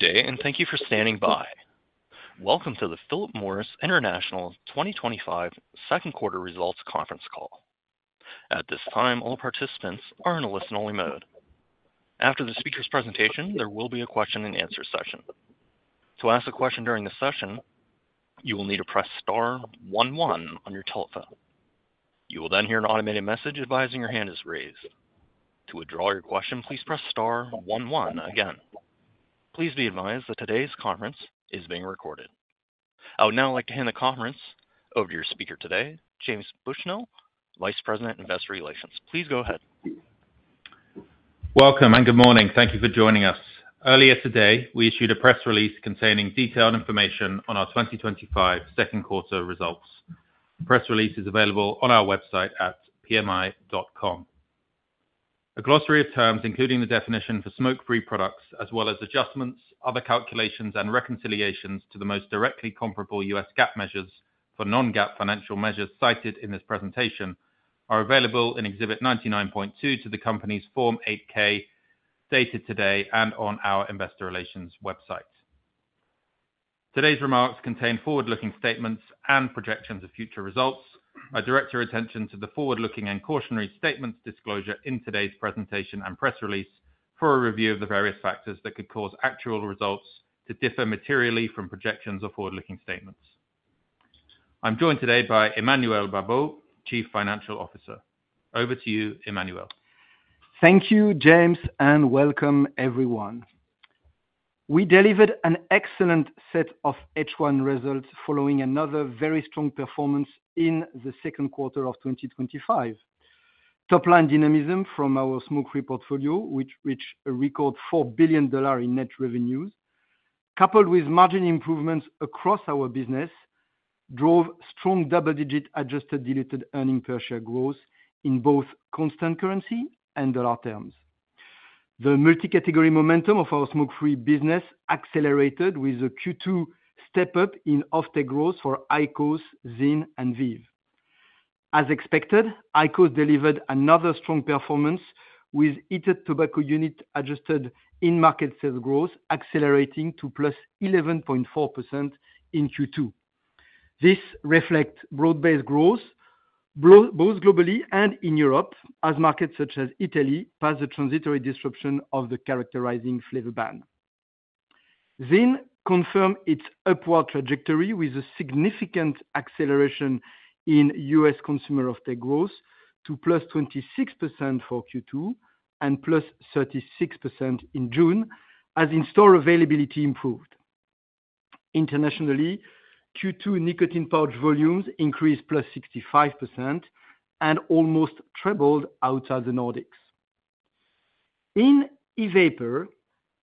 Good day, and thank you for standing by. Welcome to the Philip Morris International 2025 second quarter results conference call. At this time, all participants are in a listen-only mode. After the speaker's presentation, there will be a question-and-answer session. To ask a question during the session, you will need to press star one-one on your telephone. You will then hear an automated message advising your hand is raised. To withdraw your question, please press star one-one again. Please be advised that today's conference is being recorded. I would now like to hand the conference over to your speaker today, James Bushnell, Vice President, Investor Relations. Please go ahead. Welcome and good morning. Thank you for joining us. Earlier today, we issued a press release containing detailed information on our 2025 second quarter results. The press release is available on our website at pmi.com. A glossary of terms, including the definition for smoke-free products, as well as adjustments, other calculations, and reconciliations to the most directly comparable U.S. GAAP measures for non-GAAP financial measures cited in this presentation, are available in Exhibit 99.2 to the company's Form 8K dated today and on our Investor Relations website. Today's remarks contain forward-looking statements and projections of future results. I direct your attention to the forward-looking and cautionary statements disclosure in today's presentation and press release for a review of the various factors that could cause actual results to differ materially from projections or forward-looking statements. I'm joined today by Emmanuel Babeau, Chief Financial Officer. Over to you, Emmanuel. Thank you, James, and welcome, everyone. We delivered an excellent set of H1 results following another very strong performance in the second quarter of 2025. Top-line dynamism from our smoke-free portfolio, which reached a record $4 billion in net revenues, coupled with margin improvements across our business, drove strong double-digit adjusted diluted earnings per share growth in both constant currency and dollar terms. The multi-category momentum of our smoke-free business accelerated with a Q2 step-up in off-take growth for IQOS, Zyn, and Veev. As expected, IQOS delivered another strong performance with heated tobacco unit adjusted in-market sales growth accelerating to +11.4% in Q2. This reflects broad-based growth both globally and in Europe, as markets such as Italy passed the transitory disruption of the characterizing flavor ban. Zyn confirmed its upward trajectory with a significant acceleration in US consumer off-take growth to +26% for Q2 and +36% in June, as in-store availability improved. Internationally, Q2 nicotine pouch volumes increased +65% and almost tripled outside the Nordics. In e-vapor,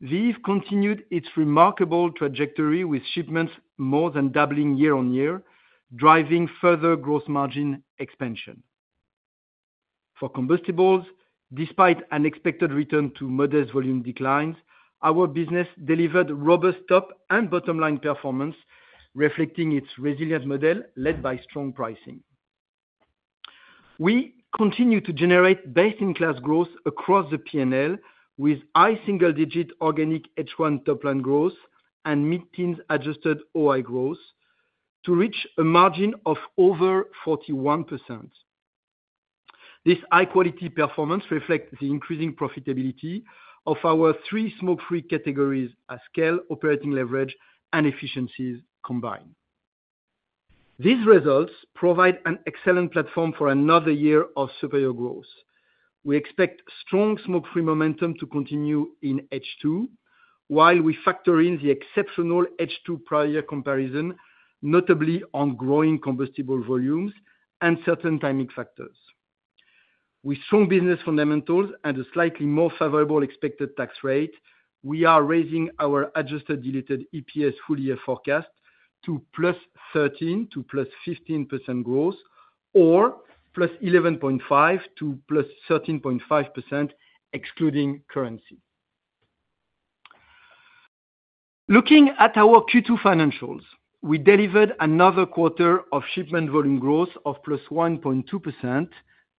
Veev continued its remarkable trajectory with shipments more than doubling year-on-year, driving further gross margin expansion. For combustibles, despite unexpected return to modest volume declines, our business delivered robust top and bottom-line performance, reflecting its resilient model led by strong pricing. We continue to generate best-in-class growth across the P&L with high single-digit organic H1 top-line growth and mid-teens adjusted OI growth to reach a margin of over 41%. This high-quality performance reflects the increasing profitability of our three smoke-free categories at scale, operating leverage, and efficiencies combined. These results provide an excellent platform for another year of superior growth. We expect strong smoke-free momentum to continue in H2, while we factor in the exceptional H2 prior year comparison, notably on growing combustible volumes and certain timing factors. With strong business fundamentals and a slightly more favorable expected tax rate, we are raising our adjusted diluted EPS full-year forecast to +13%- +15% growth, or +11.5%-+13.5% excluding currency. Looking at our Q2 financials, we delivered another quarter of shipment volume growth of +1.2%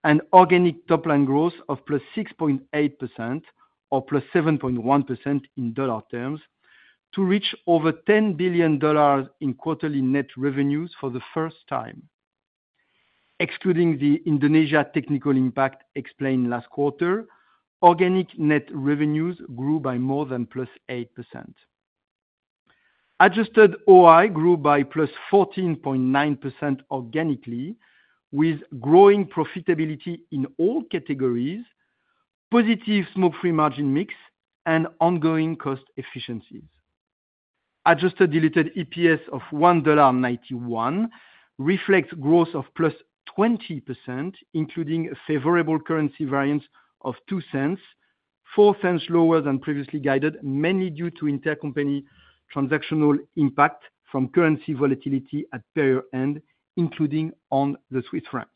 and organic top-line growth of +6.8% or +7.1% in dollar terms to reach over $10 billion in quarterly net revenues for the first time. Excluding the Indonesia technical impact explained last quarter, organic net revenues grew by more than +8%. Adjusted OI grew by +14.9% organically, with growing profitability in all categories, positive smoke-free margin mix, and ongoing cost efficiencies. Adjusted diluted EPS of $1.91 reflects growth of +20%, including favorable currency variance of $0.02, $0.04 lower than previously guided, mainly due to intercompany transactional impact from currency volatility at payer end, including on the Swiss franc.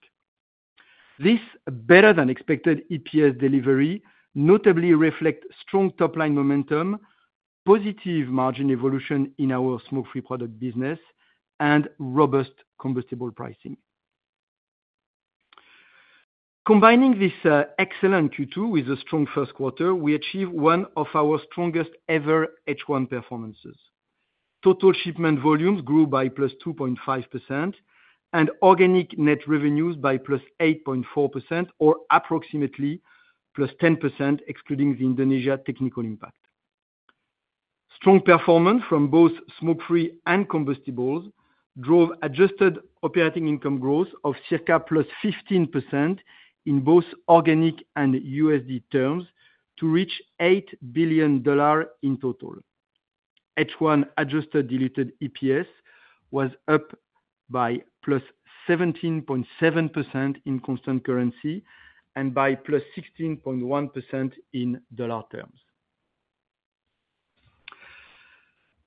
This better-than-expected EPS delivery notably reflects strong top-line momentum, positive margin evolution in our smoke-free product business, and robust combustible pricing. Combining this excellent Q2 with a strong first quarter, we achieved one of our strongest-ever H1 performances. Total shipment volumes grew by +2.5%, and organic net revenues by +8.4%, or approximately +10% excluding the Indonesia technical impact. Strong performance from both smoke-free and combustibles drove adjusted operating income growth of circa +15% in both organic and USD terms to reach $8 billion in total. H1 adjusted diluted EPS was up by +17.7% in constant currency and by +16.1% in dollar terms.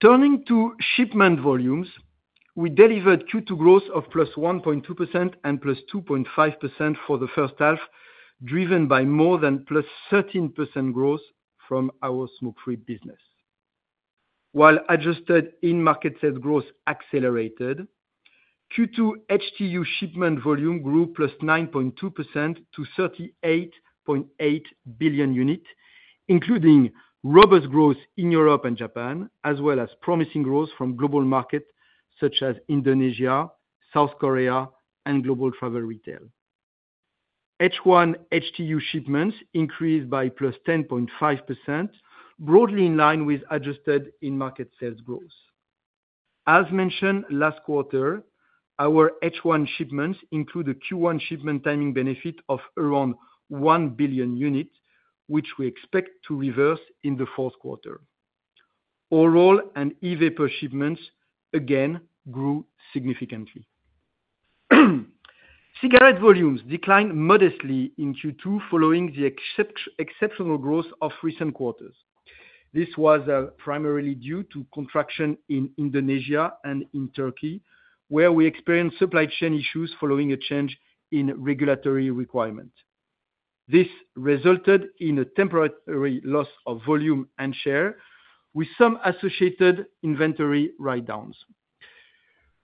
Turning to shipment volumes, we delivered Q2 growth of +1.2% and +2.5% for the first half, driven by more than +13% growth from our smoke-free business. While adjusted in-market sales growth accelerated, Q2 HTU shipment volume grew +9.2%-38.8 billion units, including robust growth in Europe and Japan, as well as promising growth from global markets such as Indonesia, South Korea, and global travel retail. H1 HTU shipments increased by +10.5%, broadly in line with adjusted in-market sales growth. As mentioned last quarter, our H1 shipments include a Q1 shipment timing benefit of around 1 billion units, which we expect to reverse in the fourth quarter. Oral and e-vapor shipments again grew significantly. Cigarette volumes declined modestly in Q2 following the exceptional growth of recent quarters. This was primarily due to contraction in Indonesia and in Turkey, where we experienced supply chain issues following a change in regulatory requirement. This resulted in a temporary loss of volume and share, with some associated inventory write-downs.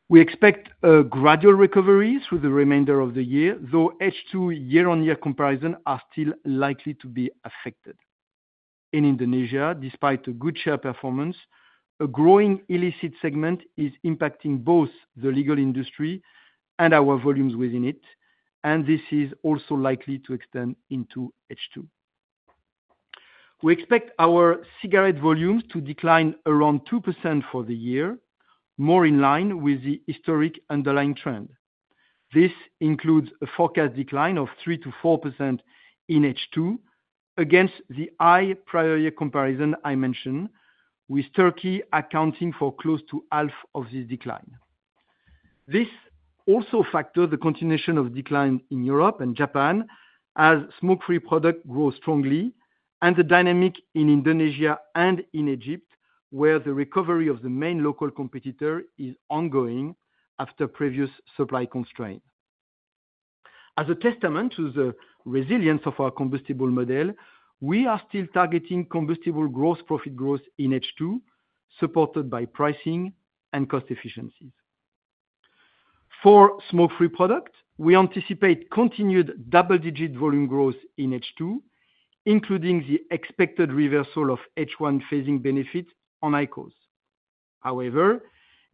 We expect a gradual recovery through the remainder of the year, though H2 year-on-year comparisons are still likely to be affected. In Indonesia, despite a good share performance, a growing illicit segment is impacting both the legal industry and our volumes within it, and this is also likely to extend into H2. We expect our cigarette volumes to decline around 2% for the year, more in line with the historic underlying trend. This includes a forecast decline of 3%-4% in H2 against the high prior year comparison I mentioned, with Turkey accounting for close to half of this decline. This also factors the continuation of decline in Europe and Japan, as smoke-free products grow strongly, and the dynamic in Indonesia and in Egypt, where the recovery of the main local competitor is ongoing after previous supply constraints. As a testament to the resilience of our combustible model, we are still targeting combustible gross profit growth in H2, supported by pricing and cost efficiencies. For smoke-free products, we anticipate continued double-digit volume growth in H2, including the expected reversal of H1 phasing benefits on IQOS. However,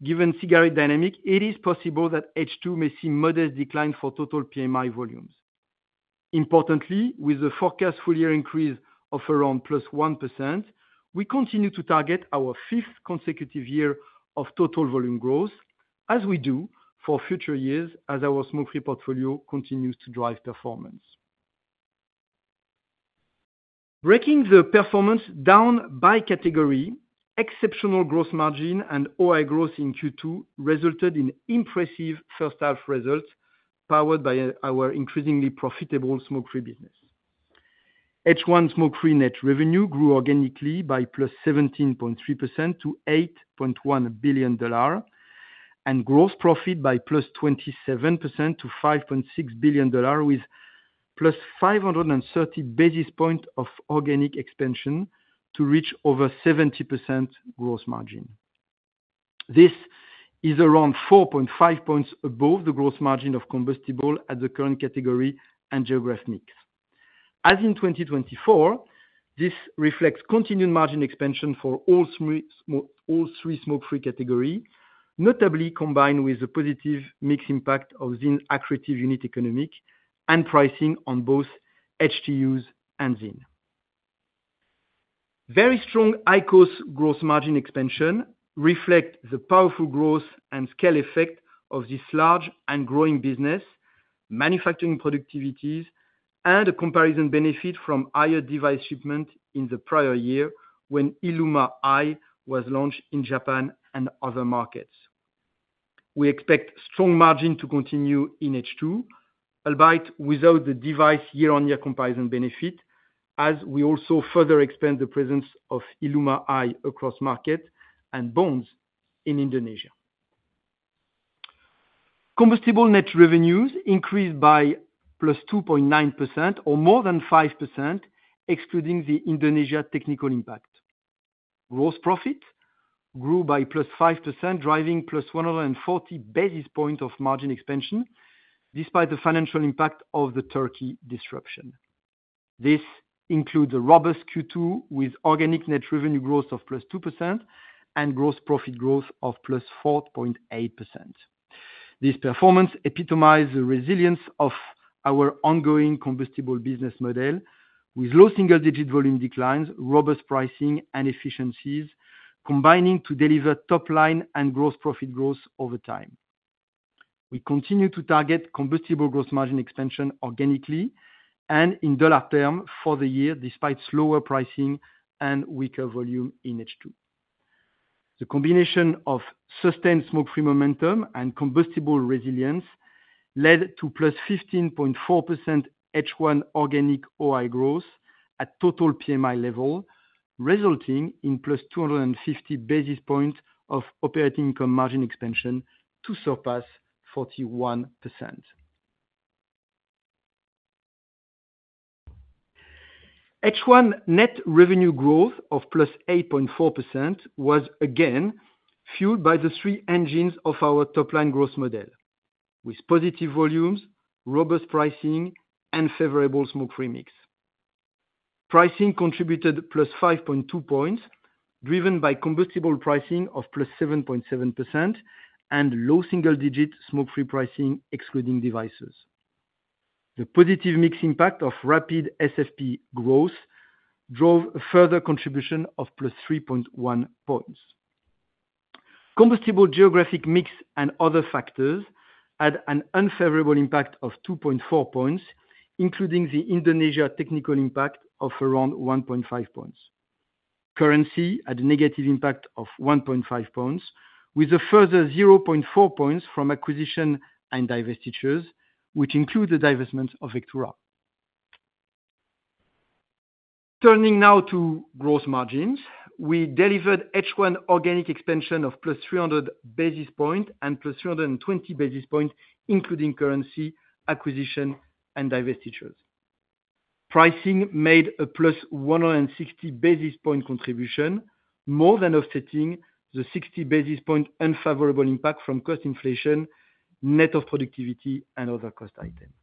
given cigarette dynamic, it is possible that H2 may see modest declines for total Philip Morris International volumes. Importantly, with the forecast full-year increase of around +1%, we continue to target our fifth consecutive year of total volume growth, as we do for future years, as our smoke-free portfolio continues to drive performance. Breaking the performance down by category, exceptional gross margin and OI growth in Q2 resulted in impressive first-half results powered by our increasingly profitable smoke-free business. H1 smoke-free net revenue grew organically by +17.3% to $8.1 billion and gross profit by +27% to $5.6 billion, with +530 basis points of organic expansion to reach over 70% gross margin. This is around 4.5 percentage points above the gross margin of combustible at the current category and geographic mix. As in 2024, this reflects continued margin expansion for all three smoke-free categories, notably combined with the positive mix impact of Zyn's accretive unit economics and pricing on both HTUs and Zyn. Very strong IQOS gross margin expansion reflects the powerful growth and scale effect of this large and growing business, manufacturing productivities, and a comparison benefit from higher device shipment in the prior year when ILUMA Eye was launched in Japan and other markets. We expect strong margin to continue in H2, albeit without the device year-on-year comparison benefit, as we also further expand the presence of Iluma Eye across markets and Bonds in Indonesia. Combustible net revenues increased by +2.9% or more than 5%, excluding the Indonesia technical impact. Gross profit grew by +5%, driving +140 basis points of margin expansion, despite the financial impact of the Turkey disruption. This includes a robust Q2 with organic net revenue growth of +2% and gross profit growth of +4.8%. This performance epitomizes the resilience of our ongoing combustible business model, with low single-digit volume declines, robust pricing, and efficiencies combining to deliver top-line and gross profit growth over time. We continue to target combustible gross margin expansion organically and in dollar terms for the year, despite slower pricing and weaker volume in H2. The combination of sustained smoke-free momentum and combustible resilience led to +15.4% H1 organic OI growth at total Philip Morris International level, resulting in +250 basis points of operating income margin expansion to surpass 41%. H1 net revenue growth of +8.4% was again fueled by the three engines of our top-line growth model, with positive volumes, robust pricing, and favorable smoke-free mix. Pricing contributed +5.2 points, driven by combustible pricing of +7.7% and low single-digit smoke-free pricing, excluding devices. The positive mix impact of rapid SFP growth drove a further contribution of +3.1 points. Combustible geographic mix and other factors had an unfavorable impact of 2.4 points, including the Indonesia technical impact of around 1.5 points. Currency had a negative impact of 1.5 points, with a further 0.4 points from acquisition and divestitures, which include the divestment of Vectura. Turning now to gross margins, we delivered H1 organic expansion of +300 basis points and +320 basis points, including currency acquisition and divestitures. Pricing made a +160 basis point contribution, more than offsetting the 60 basis point unfavorable impact from cost inflation, net of productivity, and other cost items.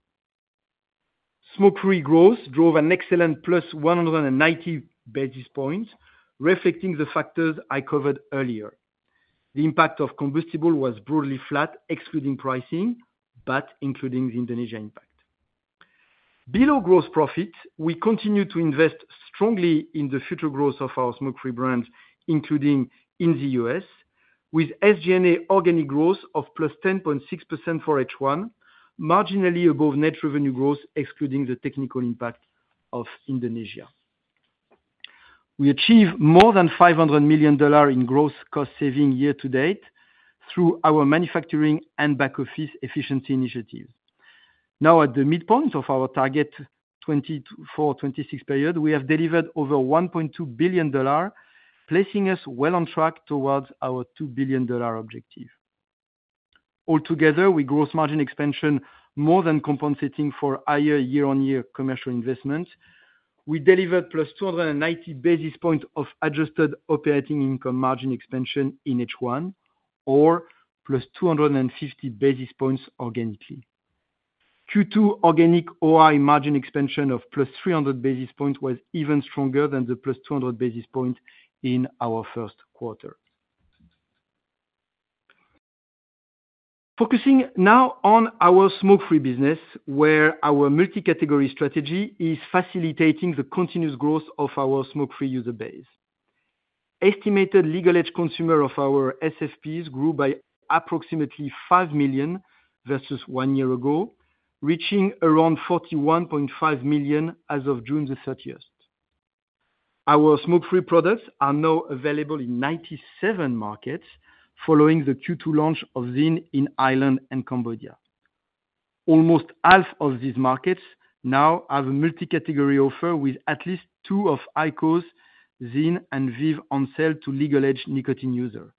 Smoke-free growth drove an excellent +190 basis points, reflecting the factors I covered earlier. The impact of combustible was broadly flat, excluding pricing, but including the Indonesia impact. Below gross profit, we continue to invest strongly in the future growth of our smoke-free brands, including in the US, with SG&A organic growth of +10.6% for H1, marginally above net revenue growth, excluding the technical impact of Indonesia. We achieved more than $500 million in gross cost saving year-to-date through our manufacturing and back-office efficiency initiatives. Now, at the midpoint of our target 2024-2026 period, we have delivered over $1.2 billion, placing us well on track towards our $2 billion objective. Altogether, with gross margin expansion more than compensating for higher year-on-year commercial investments, we delivered +290 basis points of adjusted operating income margin expansion in H1, or +250 basis points organically. Q2 organic OI margin expansion of +300 basis points was even stronger than the +200 basis points in our first quarter. Focusing now on our smoke-free business, where our multi-category strategy is facilitating the continuous growth of our smoke-free user base. Estimated legal age consumer of our SFPs grew by approximately 5 million versus one year ago, reaching around 41.5 million as of June 30. Our smoke-free products are now available in 97 markets, following the Q2 launch of Zyn in Ireland and Cambodia. Almost half of these markets now have a multi-category offer with at least two of IQOS, Zyn, and Veev on sale to legal age nicotine users.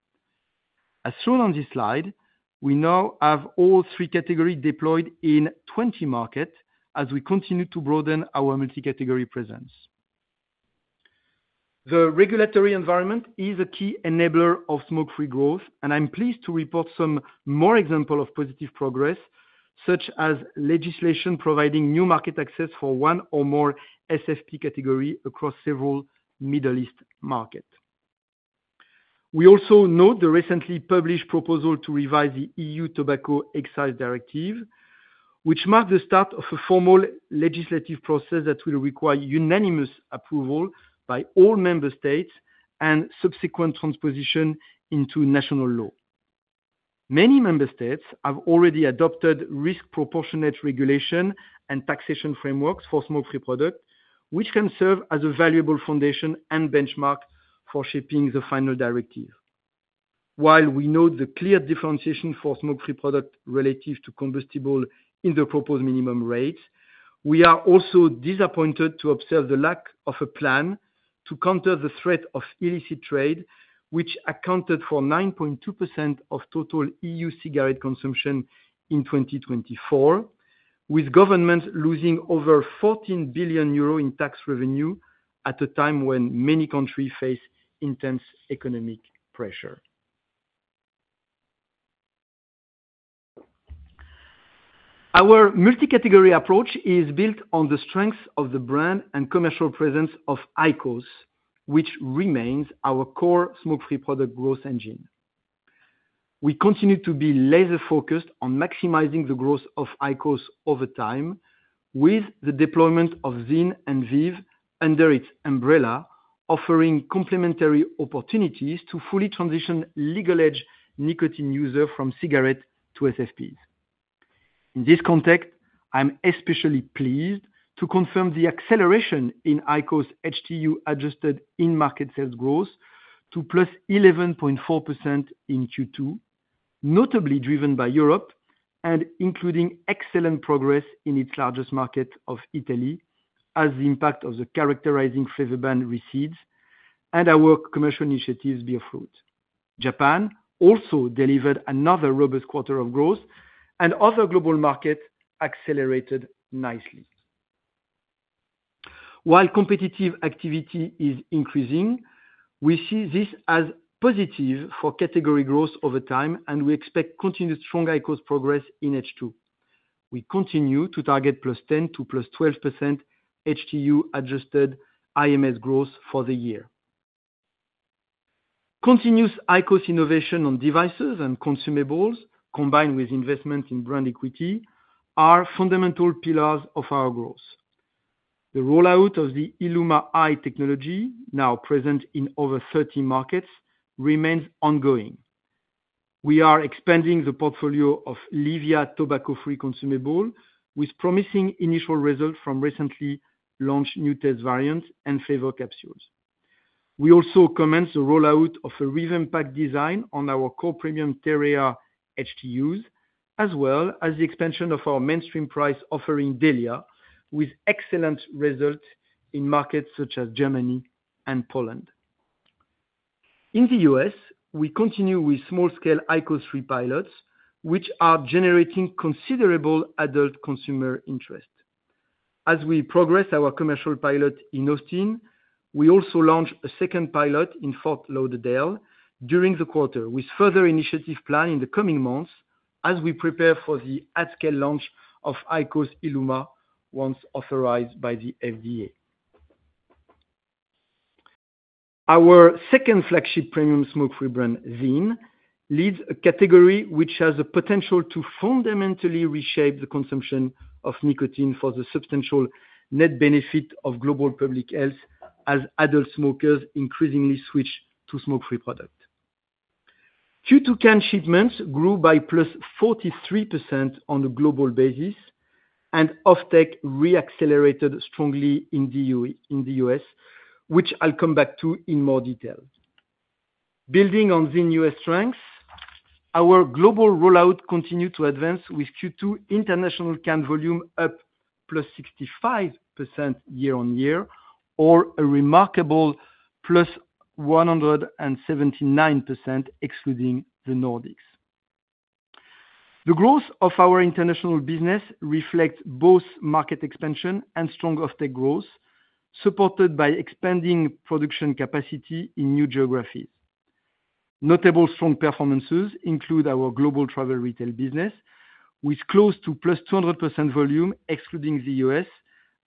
As shown on this slide, we now have all three categories deployed in 20 markets as we continue to broaden our multi-category presence. The regulatory environment is a key enabler of smoke-free growth, and I'm pleased to report some more examples of positive progress, such as legislation providing new market access for one or more SFP categories across several Middle East markets. We also note the recently published proposal to revise the EU Tobacco Excise Directive, which marks the start of a formal legislative process that will require unanimous approval by all member states and subsequent transposition into national law. Many member states have already adopted risk-proportionate regulation and taxation frameworks for smoke-free products, which can serve as a valuable foundation and benchmark for shaping the final directive. While we note the clear differentiation for smoke-free products relative to combustible in the proposed minimum rates, we are also disappointed to observe the lack of a plan to counter the threat of illicit trade, which accounted for 9.2% of total EU cigarette consumption in 2024, with governments losing over 14 billion euro in tax revenue at a time when many countries face intense economic pressure. Our multi-category approach is built on the strengths of the brand and commercial presence of IQOS, which remains our core smoke-free product growth engine. We continue to be laser-focused on maximizing the growth of IQOS over time, with the deployment of Zyn and Veev under its umbrella, offering complementary opportunities to fully transition legal age nicotine users from cigarettes to SFPs. In this context, I'm especially pleased to confirm the acceleration in IQOS HTU adjusted in-market sales growth to +11.4% in Q2, notably driven by Europe and including excellent progress in its largest market of Italy, as the impact of the characterizing flavor ban recedes and our commercial initiatives bear fruit. Japan also delivered another robust quarter of growth, and other global markets accelerated nicely. While competitive activity is increasing, we see this as positive for category growth over time, and we expect continued strong IQOS progress in H2. We continue to target +10% to +12% HTU adjusted IMS growth for the year. Continuous IQOS innovation on devices and consumables, combined with investment in brand equity, are fundamental pillars of our growth. The rollout of the ILUMA Eye technology, now present in over 30 markets, remains ongoing. We are expanding the portfolio of Livia tobacco-free consumables, with promising initial results from recently launched new test variants and flavor capsules. We also comment on the rollout of a revamped design on our core premium Terrea HTUs, as well as the expansion of our mainstream price offering Delia, with excellent results in markets such as Germany and Poland. In the U.S., we continue with small-scale IQOS free pilots, which are generating considerable adult consumer interest. As we progress our commercial pilot in Austin, we also launch a second pilot in Fort Lauderdale during the quarter, with further initiatives planned in the coming months as we prepare for the at-scale launch of IQOS ILUMA once authorized by the FDA. Our second flagship premium smoke-free brand, Zyn, leads a category which has the potential to fundamentally reshape the consumption of nicotine for the substantial net benefit of global public health as adult smokers increasingly switch to smoke-free products. Q2 can shipments grew by +43% on a global basis, and off-tech reaccelerated strongly in the U.S., which I'll come back to in more detail. Building on Zyn's U.S. strengths, our global rollout continued to advance, with Q2 international can volume up +65% year-on-year, or a remarkable +179%, excluding the Nordics. The growth of our international business reflects both market expansion and strong off-tech growth, supported by expanding production capacity in new geographies. Notable strong performances include our global travel retail business, with close to +200% volume, excluding the U.S.,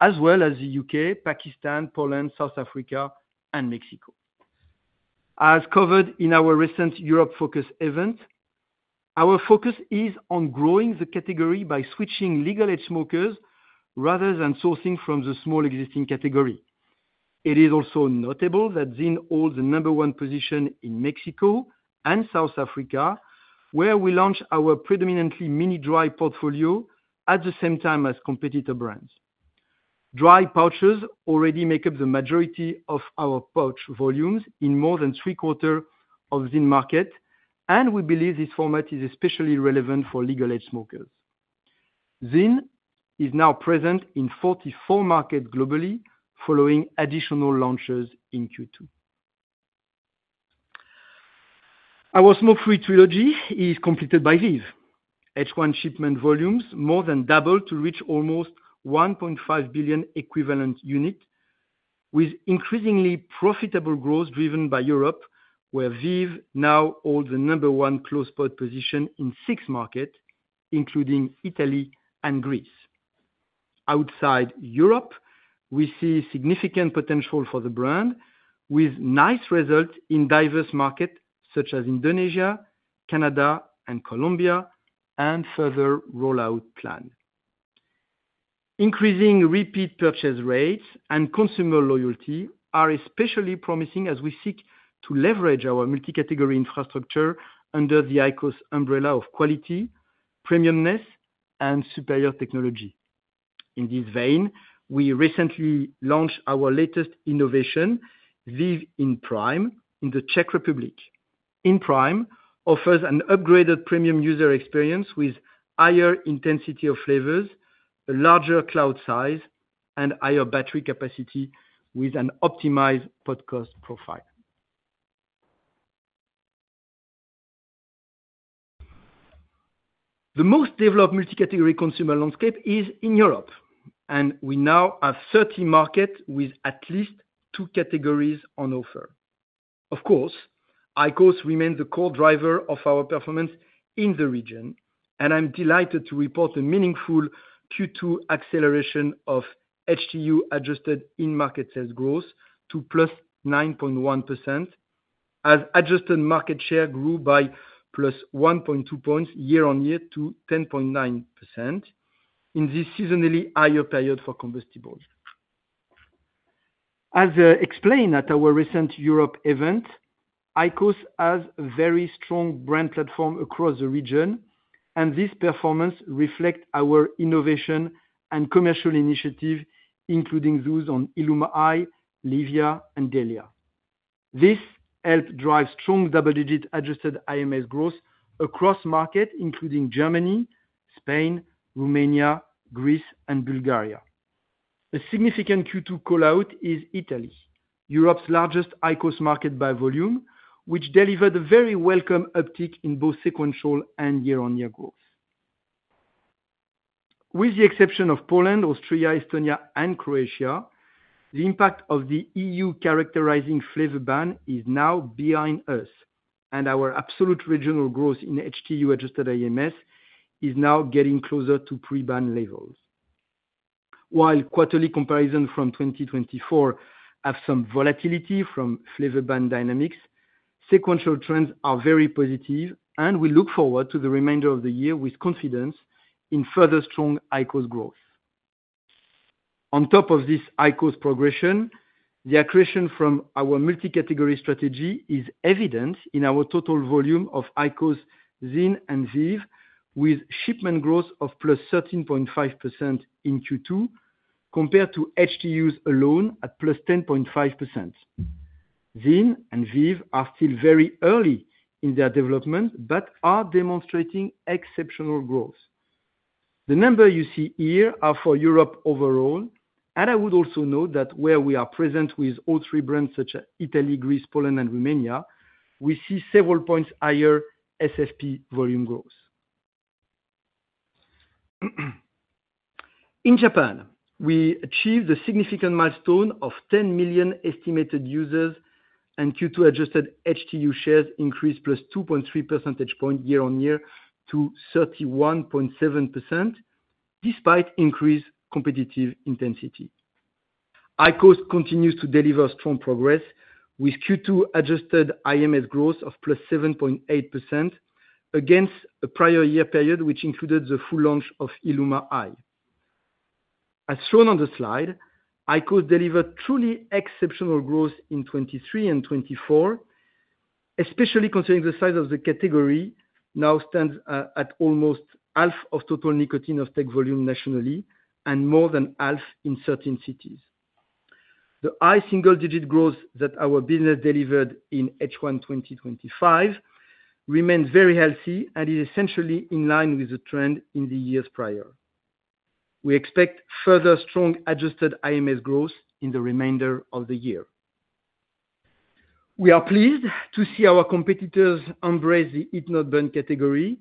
as well as the U.K., Pakistan, Poland, South Africa, and Mexico. As covered in our recent Europe Focus event, our focus is on growing the category by switching legal age smokers rather than sourcing from the small existing category. It is also notable that Zyn holds the number one position in Mexico and South Africa, where we launch our predominantly mini dry portfolio at the same time as competitor brands. Dry pouches already make up the majority of our pouch volumes in more than three-quarters of Zyn's market, and we believe this format is especially relevant for legal age smokers. Zyn is now present in 44 markets globally, following additional launches in Q2. Our smoke-free trilogy is completed by Veev. H1 shipment volumes more than doubled to reach almost 1.5 billion equivalent units, with increasingly profitable growth driven by Europe, where Veev now holds the number one close-port position in six markets, including Italy and Greece. Outside Europe, we see significant potential for the brand, with nice results in diverse markets such as Indonesia, Canada, and Colombia, and further rollout planned. Increasing repeat purchase rates and consumer loyalty are especially promising as we seek to leverage our multi-category infrastructure under the IQOS umbrella of quality, pre-miumness, and superior technology. In this vein, we recently launched our latest innovation, Veev In Prime, in the Czech Republic. In Prime offers an upgraded premium user experience with higher intensity of flavors, a larger cloud size, and higher battery capacity with an optimized podcast profile. The most developed multi-category consumer landscape is in Europe, and we now have 30 markets with at least two categories on offer. Of course, IQOS remains the core driver of our performance in the region, and I'm delighted to report a meaningful Q2 acceleration of HTU adjusted in-market sales growth to +9.1%, as adjusted market share grew by +1.2 percentage points year-on-year to 10.9% in this seasonally higher period for combustibles. As explained at our recent Europe event, IQOS has a very strong brand platform across the region, and this performance reflects our innovation and commercial initiatives, including those on ILUMA Eye, Livia, and Delia. This helped drive strong double-digit adjusted IMS growth across markets, including Germany, Spain, Romania, Greece, and Bulgaria. A significant Q2 callout is Italy, Europe's largest IQOS market by volume, which delivered a very welcome uptick in both sequential and year-on-year growth. With the exception of Poland, Austria, Estonia, and Croatia, the impact of the EU characterizing flavor ban is now behind us, and our absolute regional growth in HTU adjusted IMS is now getting closer to pre-ban levels. While quarterly comparisons from 2024 have some volatility from flavor ban dynamics, sequential trends are very positive, and we look forward to the remainder of the year with confidence in further strong IQOS growth. On top of this IQOS progression, the accretion from our multi-category strategy is evident in our total volume of IQOS, Zyn, and Veev, with shipment growth of +13.5% in Q2 compared to HTUs alone at +10.5%. Zyn and Veev are still very early in their development but are demonstrating exceptional growth. The numbers you see here are for Europe overall, and I would also note that where we are present with all three brands such as Italy, Greece, Poland, and Romania, we see several points higher SFP volume growth. In Japan, we achieved a significant milestone of 10 million estimated users, and Q2 adjusted HTU shares increased +2.3 percentage points year-on-year to 31.7%, despite increased competitive intensity. IQOS continues to deliver strong progress, with Q2 adjusted IMS growth of +7.8% against a prior year period which included the full launch of ILUMA Eye. As shown on the slide, IQOS delivered truly exceptional growth in 2023 and 2024, especially considering the size of the category now stands at almost half of total nicotine off-take volume nationally and more than half in certain cities. The high single-digit growth that our business delivered in H1 2025 remains very healthy and is essentially in line with the trend in the years prior. We expect further strong adjusted IMS growth in the remainder of the year. We are pleased to see our competitors embrace the Heat Not Burn category,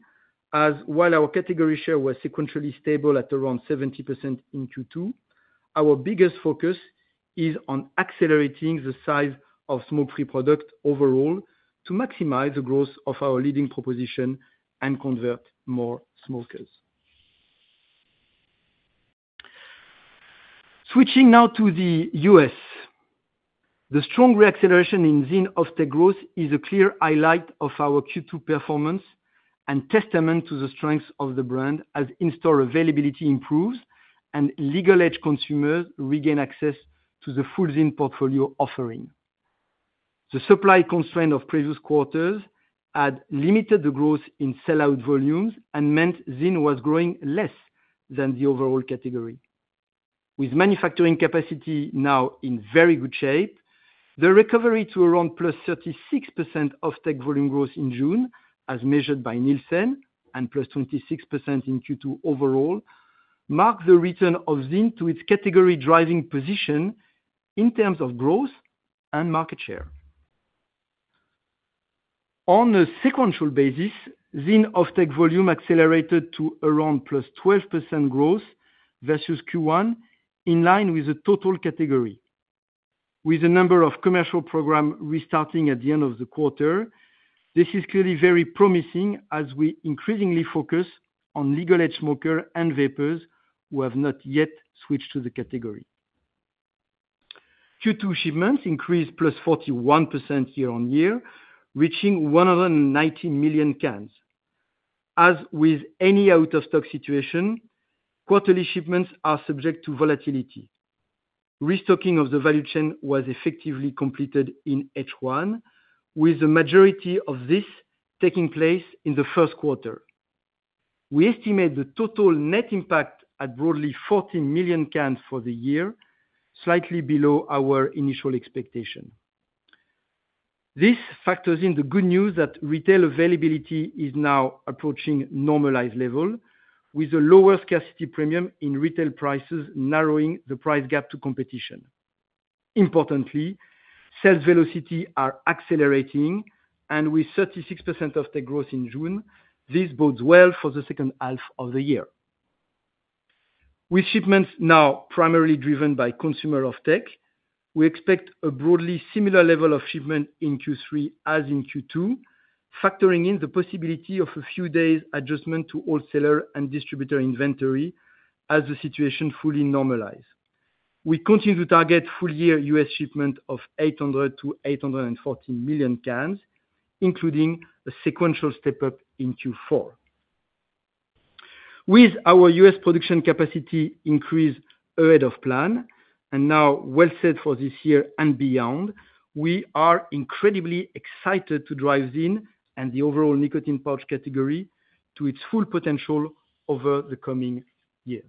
as while our category share was sequentially stable at around 70% in Q2, our biggest focus is on accelerating the size of smoke-free products overall to maximize the growth of our leading proposition and convert more smokers. Switching now to the U.S., the strong reacceleration in Zyn off-take growth is a clear highlight of our Q2 performance and testament to the strengths of the brand as in-store availability improves and legal age consumers regain access to the full Zyn portfolio offering. The supply constraint of previous quarters had limited the growth in sellout volumes and meant Zyn was growing less than the overall category. With manufacturing capacity now in very good shape, the recovery to around +36% off-take volume growth in June, as measured by Nielsen, and +26% in Q2 overall, marked the return of Zyn to its category-driving position in terms of growth and market share. On a sequential basis, Zyn off-take volume accelerated to around +12% growth versus Q1, in line with the total category. With the number of commercial programs restarting at the end of the quarter, this is clearly very promising as we increasingly focus on legal age smokers and vapers who have not yet switched to the category. Q2 shipments increased +41% year-on-year, reaching 190 million cans. As with any out-of-stock situation, quarterly shipments are subject to volatility. Restocking of the value chain was effectively completed in H1, with the majority of this taking place in the first quarter. We estimate the total net impact at broadly 40 million cans for the year, slightly below our initial expectation. This factors in the good news that retail availability is now approaching normalized levels, with a lower scarcity premium in retail prices narrowing the price gap to competition. Importantly, sales velocity is accelerating, and with 36% off-take growth in June, this bodes well for the second half of the year. With shipments now primarily driven by consumer off-take, we expect a broadly similar level of shipment in Q3 as in Q2, factoring in the possibility of a few days' adjustment to wholesaler and distributor inventory as the situation fully normalizes. We continue to target full-year U.S. shipment of 800-840 million cans, including a sequential step-up in Q4. With our U.S. production capacity increase ahead of plan, and now well set for this year and beyond, we are incredibly excited to drive Zyn and the overall nicotine pouch category to its full potential over the coming years.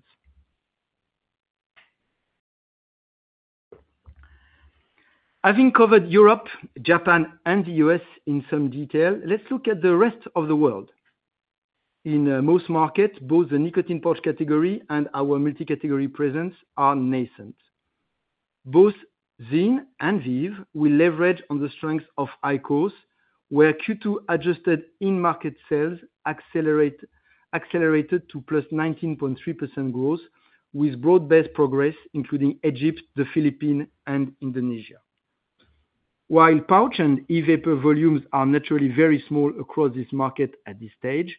Having covered Europe, Japan, and the U.S. in some detail, let's look at the rest of the world. In most markets, both the nicotine pouch category and our multi-category presence are nascent. Both Zyn and Veev will leverage on the strengths of IQOS, where Q2 adjusted in-market sales accelerated to +19.3% growth, with broad-based progress including Egypt, the Philippines, and Indonesia. While pouch and e-vapor volumes are naturally very small across this market at this stage,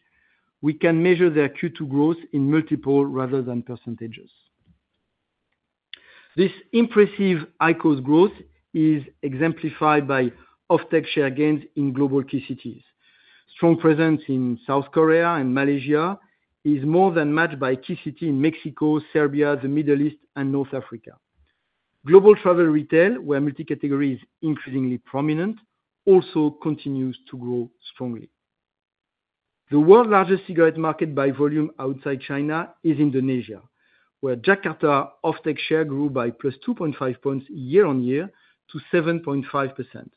we can measure their Q2 growth in multiples rather than percentages. This impressive IQOS growth is exemplified by off-take share gains in global key cities. Strong presence in South Korea and Malaysia is more than matched by key cities in Mexico, Serbia, the Middle East, and North Africa. Global travel retail, where multi-category is increasingly prominent, also continues to grow strongly. The world's largest cigarette market by volume outside China is Indonesia, where Jakarta's off-take share grew by +2.5 percentage points year-on-year to 7.5%.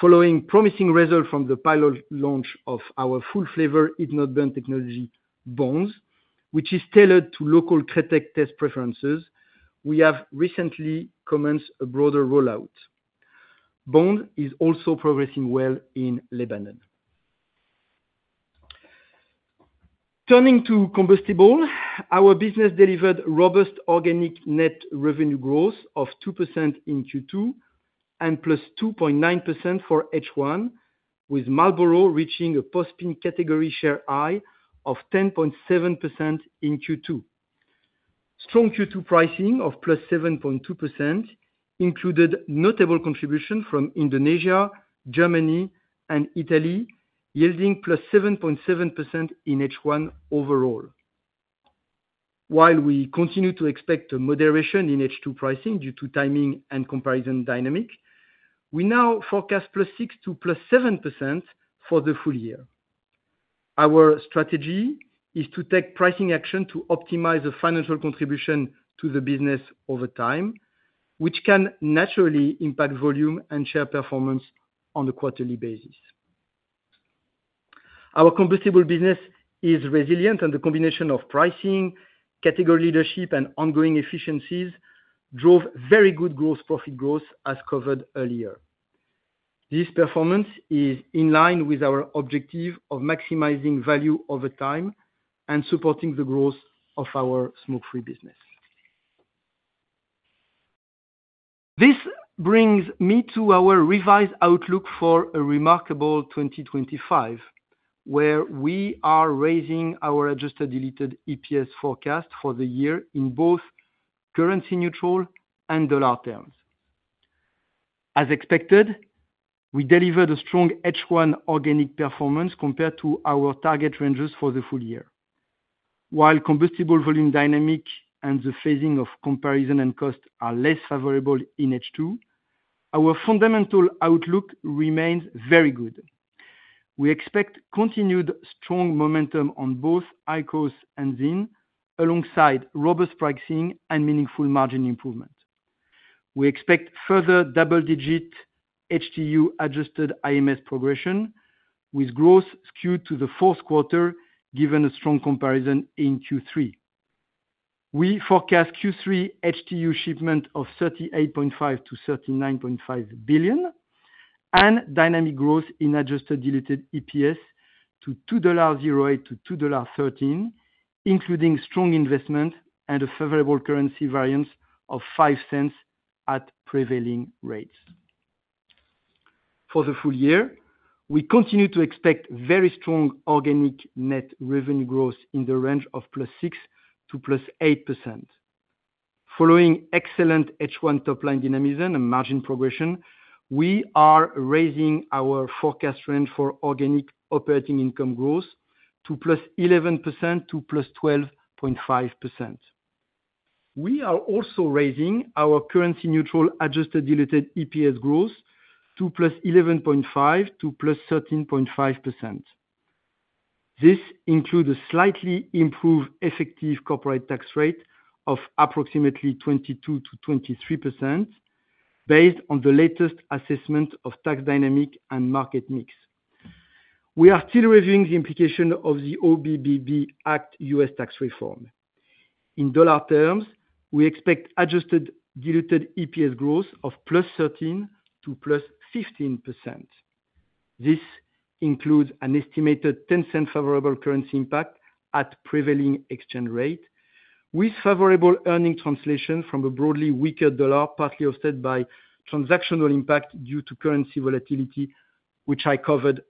Following promising results from the pilot launch of our full-flavor Heat Not Burn technology, Bonds, which is tailored to local CRETEC test preferences, we have recently commenced a broader rollout. Bonds is also progressing well in Lebanon. Turning to combustibles, our business delivered robust organic net revenue growth of 2% in Q2 and +2.9% for H1, with Marlboro reaching a post-peak category share high of 10.7% in Q2. Strong Q2 pricing of +7.2% included a notable contribution from Indonesia, Germany, and Italy, yielding +7.7% in H1 overall. While we continue to expect moderation in H2 pricing due to timing and comparison dynamics, we now forecast +6% to +7% for the full year. Our strategy is to take pricing action to optimize the financial contribution to the business over time, which can naturally impact volume and share performance on a quarterly basis. Our combustible business is resilient, and the combination of pricing, category leadership, and ongoing efficiencies drove very good gross profit growth, as covered earlier. This performance is in line with our objective of maximizing value over time and supporting the growth of our smoke-free business. This brings me to our revised outlook for a remarkable 2025, where we are raising our adjusted diluted EPS forecast for the year in both currency-neutral and dollar terms. As expected, we delivered a strong H1 organic performance compared to our target ranges for the full year. While combustible volume dynamics and the phasing of comparison and cost are less favorable in H2, our fundamental outlook remains very good. We expect continued strong momentum on both IQOS and Zyn, alongside robust pricing and meaningful margin improvement. We expect further double-digit HTU adjusted IMS progression, with growth skewed to the fourth quarter, given a strong comparison in Q3. We forecast Q3 HTU shipment of 38.5-39.5 billion and dynamic growth in adjusted diluted EPS to $2.08-$2.13, including strong investment and a favorable currency variance of $0.05 at prevailing rates. For the full year, we continue to expect very strong organic net revenue growth in the range of +6% to +8%. Following excellent H1 top-line dynamism and margin progression, we are raising our forecast range for organic operating income growth to +11% to +12.5%. We are also raising our currency-neutral adjusted diluted EPS growth to +11.5%-13.5%. This includes a slightly improved effective corporate tax rate of approximately 22%-23%, based on the latest assessment of tax dynamic and market mix. We are still reviewing the implication of the OBBB Act U.S. tax reform. In dollar terms, we expect adjusted diluted EPS growth of +13%-15%. This includes an estimated $0.10 favorable currency impact at prevailing exchange rate, with favorable earnings translation from a broadly weaker dollar, partly offset by transactional impact due to currency volatility, which I covered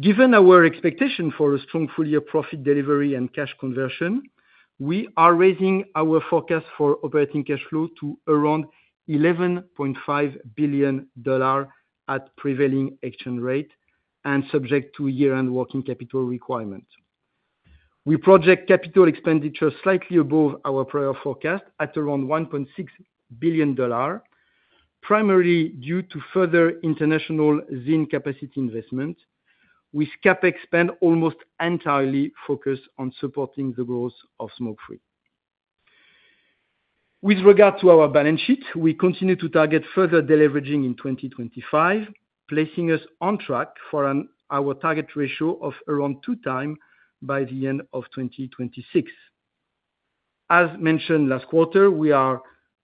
earlier. Given our expectation for a strong full-year profit delivery and cash conversion, we are raising our forecast for operating cash flow to around $11.5 billion at prevailing exchange rate and subject to year-end working capital requirements. We project capital expenditure slightly above our prior forecast at around $1.6 billion, primarily due to further international Zyn capacity investment, with CapEx spend almost entirely focused on supporting the growth of smoke-free. With regard to our balance sheet, we continue to target further deleveraging in 2025, placing us on track for our target ratio of around two times by the end of 2026. As mentioned last quarter, we are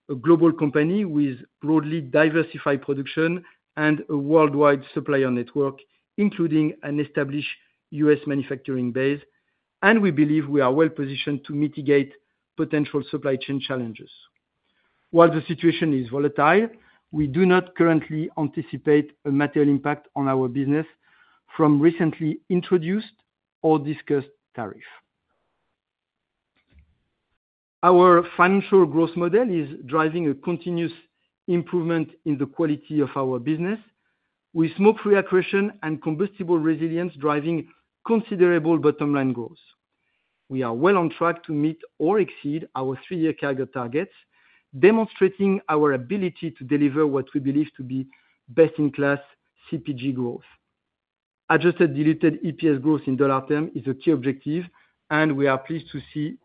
a global company with broadly diversified production and a worldwide supplier network, including an established US manufacturing base, and we believe we are well positioned to mitigate potential supply chain challenges. While the situation is volatile, we do not currently anticipate a material impact on our business from recently introduced or discussed tariffs. Our financial growth model is driving a continuous improvement in the quality of our business, with smoke-free accretion and combustible resilience driving considerable bottom-line growth. We are well on track to meet or exceed our three-year CAGR targets, demonstrating our ability to deliver what we believe to be best-in-class CPG growth. Adjusted diluted EPS growth in dollar terms is a key objective, and we are pleased to see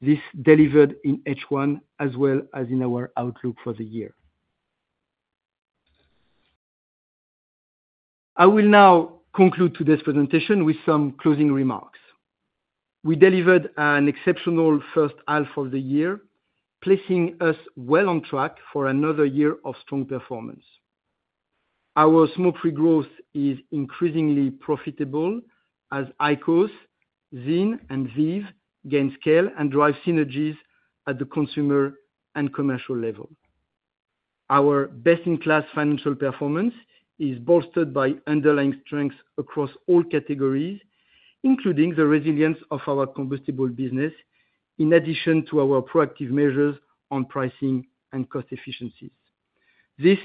this delivered in H1 as well as in our outlook for the year. I will now conclude today's presentation with some closing remarks. We delivered an exceptional first half of the year, placing us well on track for another year of strong performance. Our smoke-free growth is increasingly profitable as IQOS, Zyn, and Veev gain scale and drive synergies at the consumer and commercial level. Our best-in-class financial performance is bolstered by underlying strengths across all categories, including the resilience of our combustible business, in addition to our proactive measures on pricing and cost efficiencies. This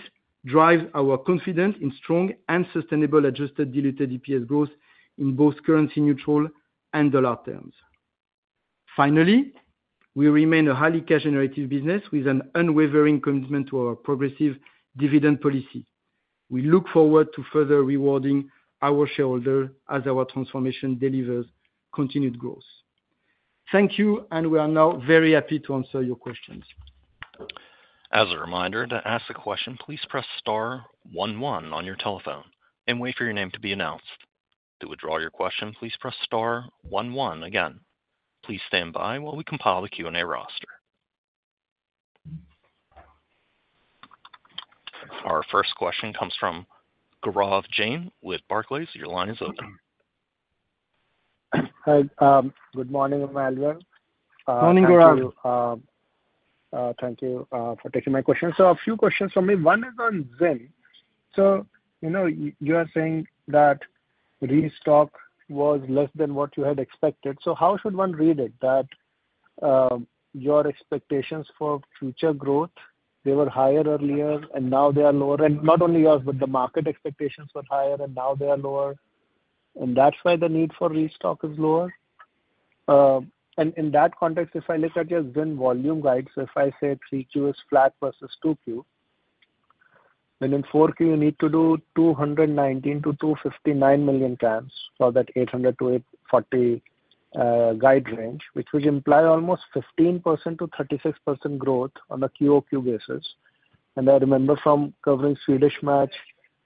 drives our confidence in strong and sustainable adjusted diluted EPS growth in both currency-neutral and dollar terms. Finally, we remain a highly cash-generative business with an unwavering commitment to our progressive dividend policy. We look forward to further rewarding our shareholders as our transformation delivers continued growth. Thank you, and we are now very happy to answer your questions. As a reminder, to ask a question, please press star 11 on your telephone and wait for your name to be announced. To withdraw your question, please press star 11 again. Please stand by while we compile the Q&A roster. Our first question comes from Gaurav Jain with Barclays. Your line is open. Good morning, Emmanuel. Morning, Gaurav. Thank you for taking my question. One is on Zyn. You are saying that restock was less than what you had expected. How should one read it? That your expectations for future growth, they were higher earlier, and now they are lower. Not only yours, but the market expectations were higher, and now they are lower. That is why the need for restock is lower. In that context, if I look at your Zyn volume guide, if I say 3Q is flat versus 2Q, then in 4Q, you need to do 219-259 million cans for that 800-840 guide range, which would imply almost 15%-36% growth on a QOQ basis. I remember from covering Swedish Match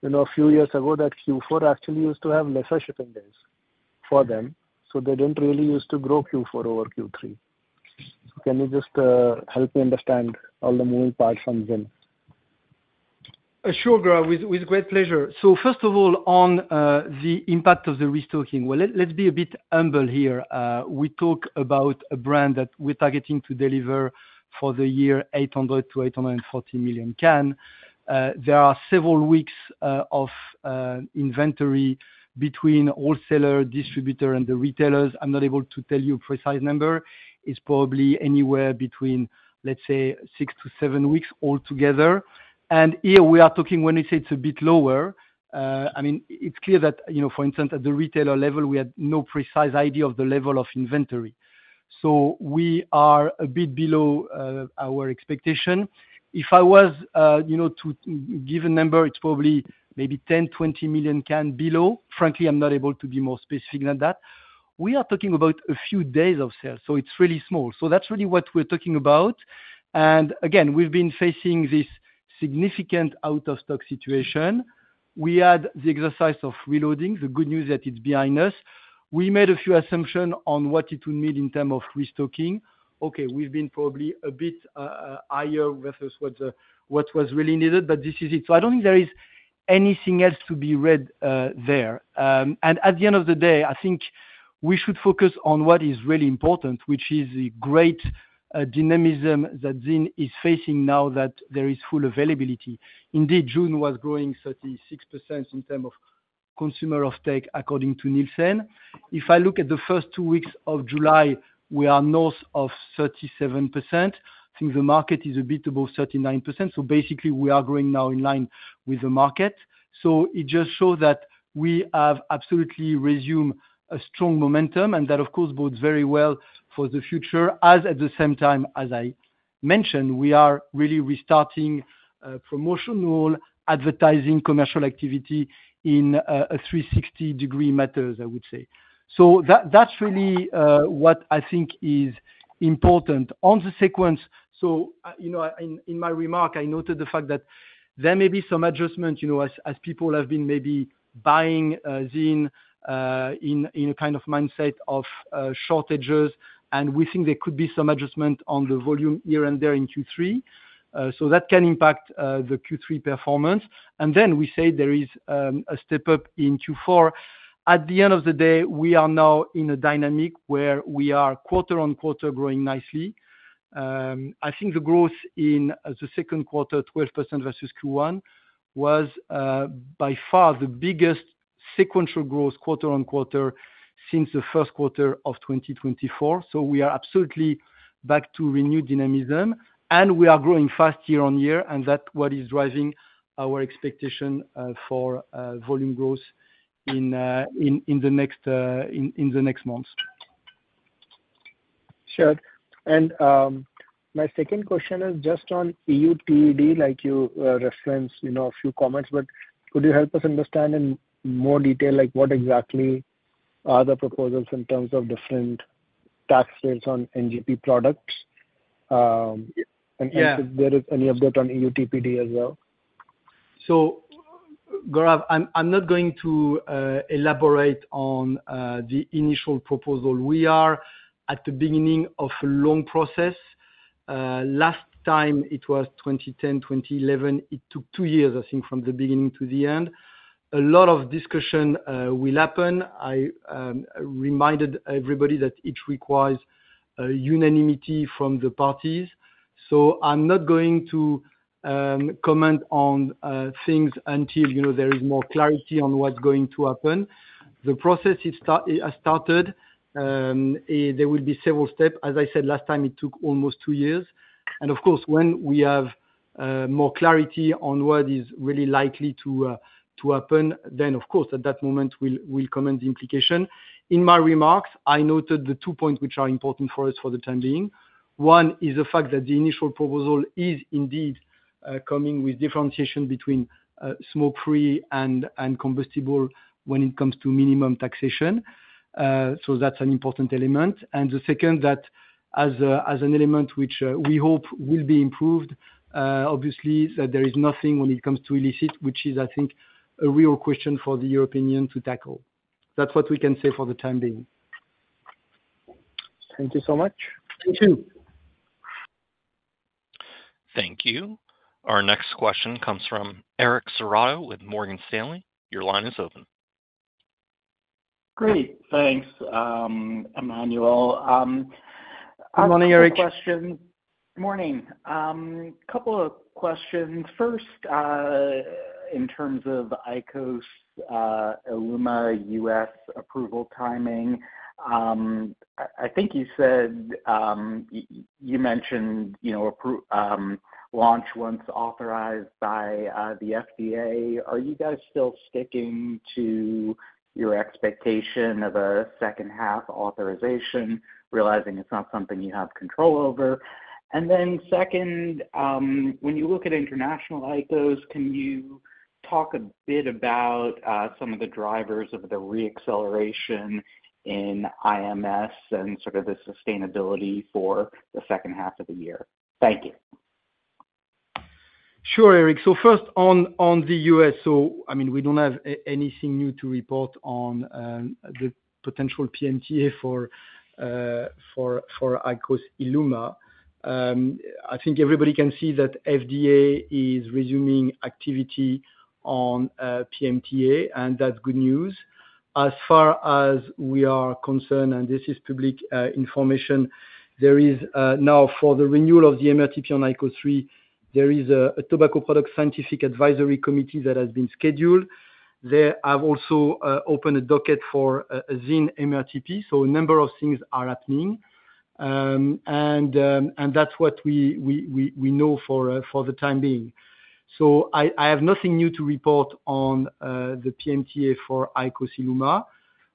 a few years ago that Q4 actually used to have fewer shipping days for them, so they did not really use to grow Q4 over Q3. Can you just help me understand all the moving parts from Zyn? Sure, Gaurav, with great pleasure. First of all, on the impact of the restocking, let's be a bit humble here. We talk about a brand that we're targeting to deliver for the year 800-840 million can. There are several weeks of inventory between wholesaler, distributor, and the retailers. I'm not able to tell you a precise number. It's probably anywhere between six to seven weeks altogether. Here, we are talking when we say it's a bit lower. I mean, it's clear that, for instance, at the retailer level, we had no precise idea of the level of inventory. We are a bit below our expectation. If I was to give a number, it's probably maybe 10-20 million can below. Frankly, I'm not able to be more specific than that. We are talking about a few days of sale, so it's really small. That is really what we're talking about. Again, we've been facing this significant out-of-stock situation. We had the exercise of reloading. The good news is that it's behind us. We made a few assumptions on what it would mean in terms of restocking. Okay, we've been probably a bit higher versus what was really needed, but this is it. I do not think there is anything else to be read there. At the end of the day, I think we should focus on what is really important, which is the great dynamism that Zyn is facing now that there is full availability. Indeed, June was growing 36% in terms of consumer off-take, according to Nielsen. If I look at the first two weeks of July, we are north of 37%. I think the market is a bit above 39%. Basically, we are growing now in line with the market. It just shows that we have absolutely resumed a strong momentum and that, of course, bodes very well for the future. At the same time, as I mentioned, we are really restarting promotional advertising commercial activity in a 360-degree manner, I would say. That is really what I think is important on the sequence. In my remark, I noted the fact that there may be some adjustment as people have been maybe buying Zyn in a kind of mindset of shortages, and we think there could be some adjustment on the volume here and there in Q3. That can impact the Q3 performance. We say there is a step up in Q4. At the end of the day, we are now in a dynamic where we are quarter on quarter growing nicely. I think the growth in the second quarter, 12% versus Q1, was by far the biggest sequential growth quarter on quarter since the first quarter of 2024. We are absolutely back to renewed dynamism, and we are growing fast year on year, and that's what is driving our expectation for volume growth in the next months. Sure. My second question is just on EU TED, like you referenced a few comments, but could you help us understand in more detail what exactly are the proposals in terms of different tax rates on NGP products? If there is any update on EU TPD as well. Gaurav, I'm not going to elaborate on the initial proposal. We are at the beginning of a long process. Last time it was 2010, 2011, it took two years, I think, from the beginning to the end. A lot of discussion will happen. I reminded everybody that it requires unanimity from the parties. I'm not going to comment on things until there is more clarity on what's going to happen. The process has started. There will be several steps. As I said last time, it took almost two years. Of course, when we have more clarity on what is really likely to happen, at that moment, we'll comment the implication. In my remarks, I noted the two points which are important for us for the time being. One is the fact that the initial proposal is indeed coming with differentiation between smoke-free and combustible when it comes to minimum taxation. That's an important element. The second, that as an element which we hope will be improved, obviously, that there is nothing when it comes to illicit, which is, I think, a real question for the European Union to tackle. That is what we can say for the time being. Thank you so much. Thank you. Thank you. Our next question comes from Eric Serrato with Morgan Stanley. Your line is open. Great. Thanks, Emmanuel. Good morning, Eric. Good morning. A couple of questions. First, in terms of IQOS, ILUMA, U.S. approval timing, I think you mentioned launch once authorized by the FDA. Are you guys still sticking to your expectation of a second-half authorization, realizing it is not something you have control over? Then second, when you look at international IQOS, can you talk a bit about some of the drivers of the reacceleration in IMS and sort of the sustainability for the second half of the year? Thank you. Sure, Eric. First, on the U.S., I mean, we do not have anything new to report on the potential PMTA for IQOS ILUMA. I think everybody can see that FDA is resuming activity on PMTA, and that is good news. As far as we are concerned, and this is public information, there is now, for the renewal of the MRTP on IQOS 3, a Tobacco Product Scientific Advisory Committee that has been scheduled. They have also opened a docket for Zyn MRTP. A number of things are happening, and that is what we know for the time being. I have nothing new to report on the PMTA for IQOS ILUMA.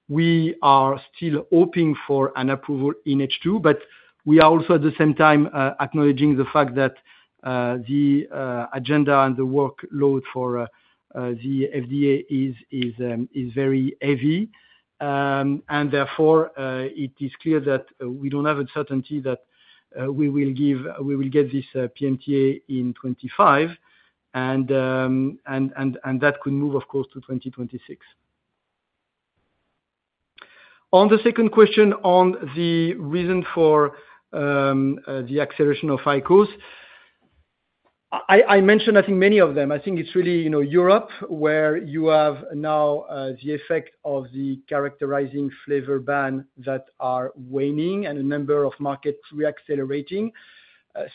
We are still hoping for an approval in H2, but we are also, at the same time, acknowledging the fact that the agenda and the workload for the FDA is very heavy. Therefore, it is clear that we do not have a certainty that we will get this PMTA in 2025, and that could move, of course, to 2026. On the second question on the reason for the acceleration of IQOS, I mentioned, I think, many of them. I think it is really Europe where you have now the effect of the characterizing flavor ban that are waning and a number of markets reaccelerating.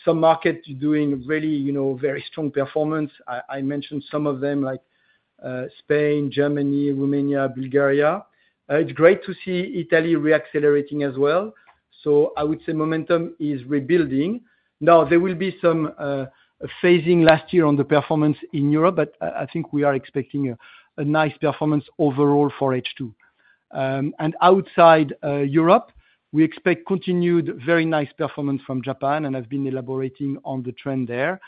Some markets are doing really very strong performance. I mentioned some of them, like Spain, Germany, Romania, Bulgaria. It is great to see Italy reaccelerating as well. I would say momentum is rebuilding. Now, there will be some phasing last year on the performance in Europe, but I think we are expecting a nice performance overall for H2. Outside Europe, we expect continued very nice performance from Japan and have been elaborating on the trend there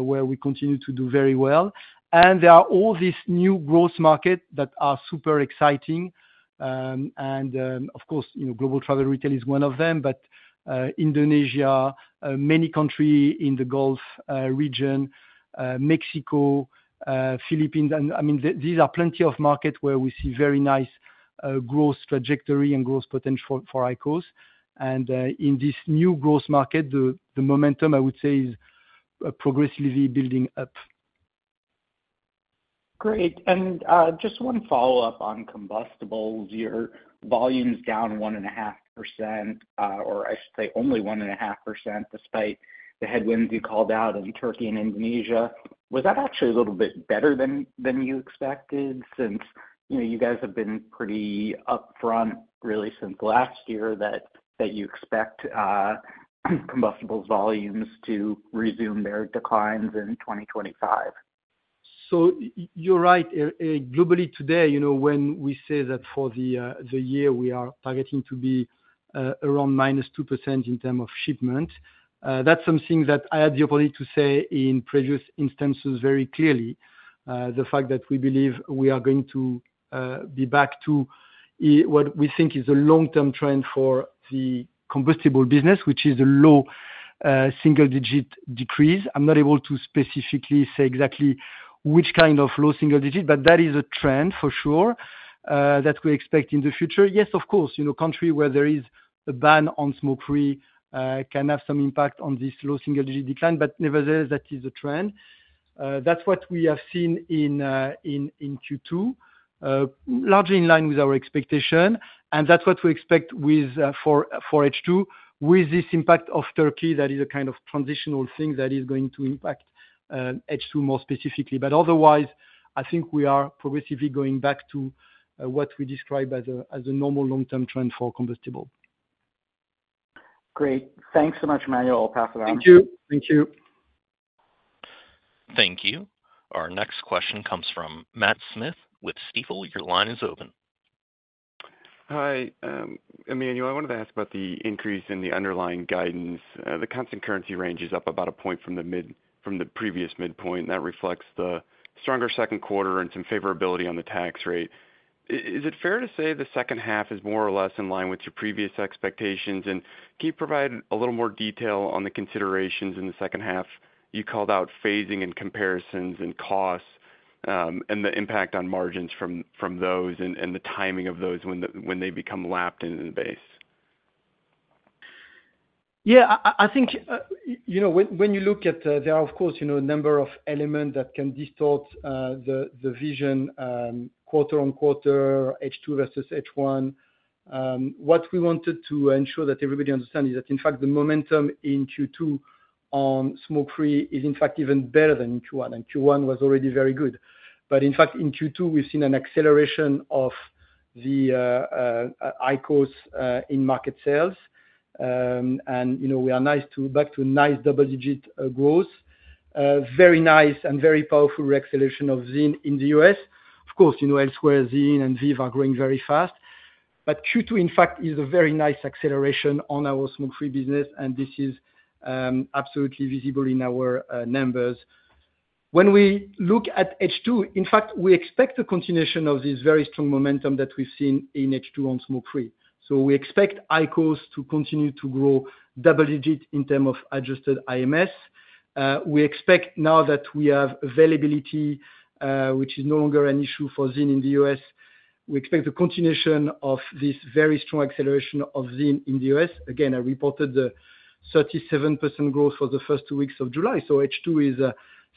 where we continue to do very well. There are all these new growth markets that are super exciting. Of course, global travel retail is one of them, but Indonesia, many countries in the Gulf region, Mexico, Philippines. I mean, these are plenty of markets where we see very nice growth trajectory and growth potential for IQOS. In this new growth market, the momentum, I would say, is progressively building up. Great. Just one follow-up on combustibles. Your volume's down 1.5%, or I should say only 1.5%, despite the headwinds you called out in Turkey and Indonesia. Was that actually a little bit better than you expected since you guys have been pretty upfront, really, since last year that you expect combustibles volumes to resume their declines in 2025? You are right. Globally today, when we say that for the year, we are targeting to be around -2% in terms of shipment, that is something that I had the opportunity to say in previous instances very clearly. The fact that we believe we are going to be back to what we think is a long-term trend for the combustible business, which is a low single-digit decrease. I am not able to specifically say exactly which kind of low single digit, but that is a trend for sure that we expect in the future. Yes, of course, countries where there is a ban on smoke-free can have some impact on this low single-digit decline, but nevertheless, that is the trend. That is what we have seen in Q2, largely in line with our expectation. That is what we expect for H2 with this impact of Turkey. That is a kind of transitional thing that is going to impact H2 more specifically. Otherwise, I think we are progressively going back to what we describe as a normal long-term trend for combustible. Great. Thanks so much, Emmanuel. I'll pass it on. Thank you. Thank you. Thank you. Our next question comes from Matt Smith with Stifel. Your line is open. Hi, Emmanuel. I wanted to ask about the increase in the underlying guidance. The constant currency range is up about a point from the previous midpoint. That reflects the stronger second quarter and some favorability on the tax rate. Is it fair to say the second half is more or less in line with your previous expectations? Can you provide a little more detail on the considerations in the second half? You called out phasing and comparisons and costs and the impact on margins from those and the timing of those when they become lapped into the base? Yeah. I think when you look at, there are, of course, a number of elements that can distort the vision quarter on quarter, H2 versus H1. What we wanted to ensure that everybody understands is that, in fact, the momentum in Q2 on smoke-free is, in fact, even better than in Q1. Q1 was already very good. In fact, in Q2, we've seen an acceleration of the IQOS in market sales. We are back to nice double-digit growth, very nice and very powerful reacceleration of Zyn in the US. Of course, elsewhere, Zyn and Veev are growing very fast. Q2, in fact, is a very nice acceleration on our smoke-free business, and this is absolutely visible in our numbers. When we look at H2, in fact, we expect the continuation of this very strong momentum that we have seen in H2 on smoke-free. We expect IQOS to continue to grow double-digit in terms of adjusted IMS. We expect now that we have availability, which is no longer an issue for Zyn in the U.S. We expect the continuation of this very strong acceleration of Zyn in the U.S. Again, I reported the 37% growth for the first two weeks of July. H2 is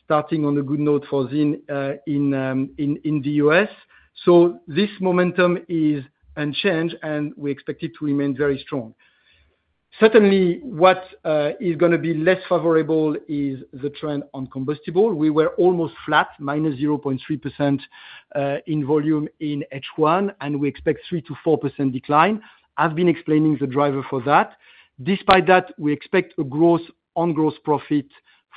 starting on a good note for Zyn in the U.S. This momentum is unchanged, and we expect it to remain very strong. Certainly, what is going to be less favorable is the trend on combustible. We were almost flat, -0.3% in volume in H1, and we expect a 3-4% decline. I've been explaining the driver for that. Despite that, we expect a gross on-gross profit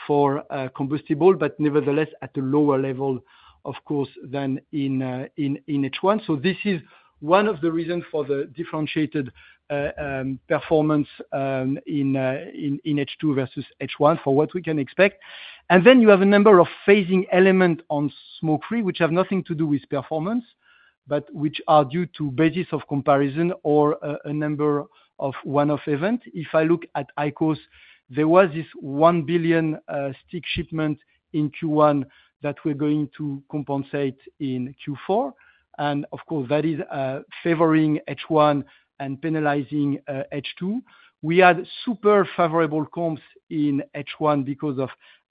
for combustible, but nevertheless, at a lower level, of course, than in H1. This is one of the reasons for the differentiated performance in H2 versus H1 for what we can expect. You have a number of phasing elements on smoke-free, which have nothing to do with performance, but which are due to basis of comparison or a number of one-off events. If I look at IQOS, there was this 1 billion stick shipment in Q1 that we're going to compensate in Q4. Of course, that is favoring H1 and penalizing H2. We had super favorable comps in H1 because of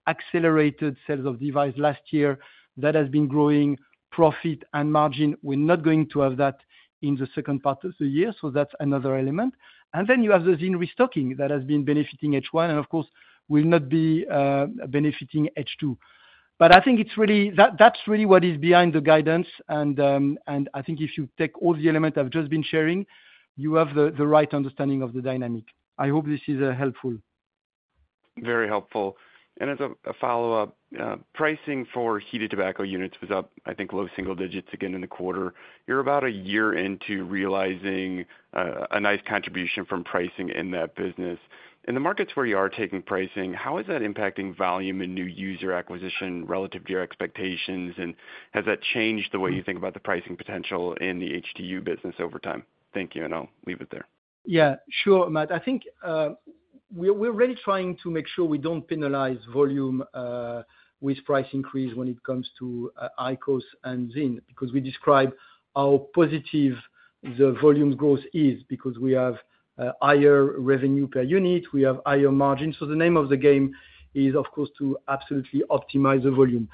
accelerated sales of devices last year that have been growing profit and margin. We're not going to have that in the second part of the year. That's another element. You have the Zyn restocking that has been benefiting H1 and, of course, will not be benefiting H2. I think that's really what is behind the guidance. I think if you take all the elements I've just been sharing, you have the right understanding of the dynamic. I hope this is helpful. Very helpful. As a follow-up, pricing for heated tobacco units was up, I think, low single digits again in the quarter. You're about a year into realizing a nice contribution from pricing in that business. In the markets where you are taking pricing, how is that impacting volume and new user acquisition relative to your expectations? Has that changed the way you think about the pricing potential in the HTU business over time? Thank you. I'll leave it there. Yeah. Sure, Matt. I think we're really trying to make sure we do not penalize volume with price increase when it comes to IQOS and Zyn because we describe how positive the volume growth is because we have higher revenue per unit. We have higher margins. The name of the game is, of course, to absolutely optimize the volume.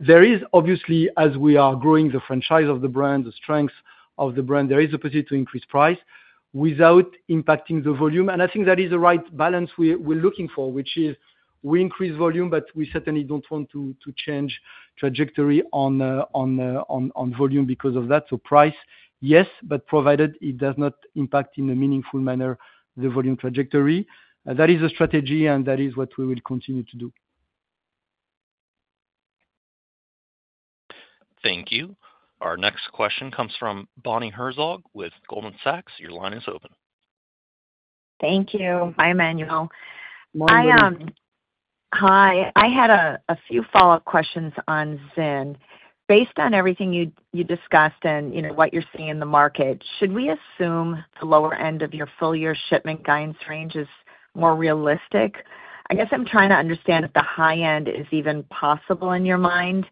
There is, obviously, as we are growing the franchise of the brand, the strength of the brand, there is a pursuit to increase price without impacting the volume. I think that is the right balance we're looking for, which is we increase volume, but we certainly don't want to change trajectory on volume because of that. Price, yes, but provided it does not impact in a meaningful manner the volume trajectory. That is the strategy, and that is what we will continue to do. Thank you. Our next question comes from Bonnie Herzog with Goldman Sachs. Your line is open. Thank you. Hi, Emmanuel. Morning, Bonnie. Hi. I had a few follow-up questions on Zyn. Based on everything you discussed and what you're seeing in the market, should we assume the lower end of your full-year shipment guidance range is more realistic? I guess I'm trying to understand if the high end is even possible in your mind.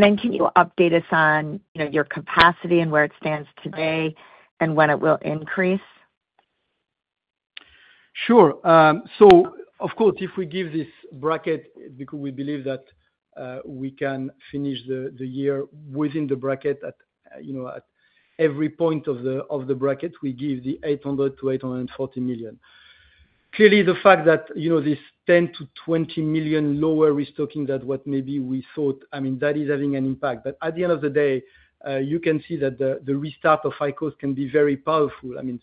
Can you update us on your capacity and where it stands today and when it will increase? Sure. Of course, we give this bracket because we believe that we can finish the year within the bracket. At every point of the bracket, we give the 800-840 million. Clearly, the fact that this 10-20 million lower restocking than what maybe we thought, I mean, that is having an impact. At the end of the day, you can see that the restart of IQOS can be very powerful. I mean,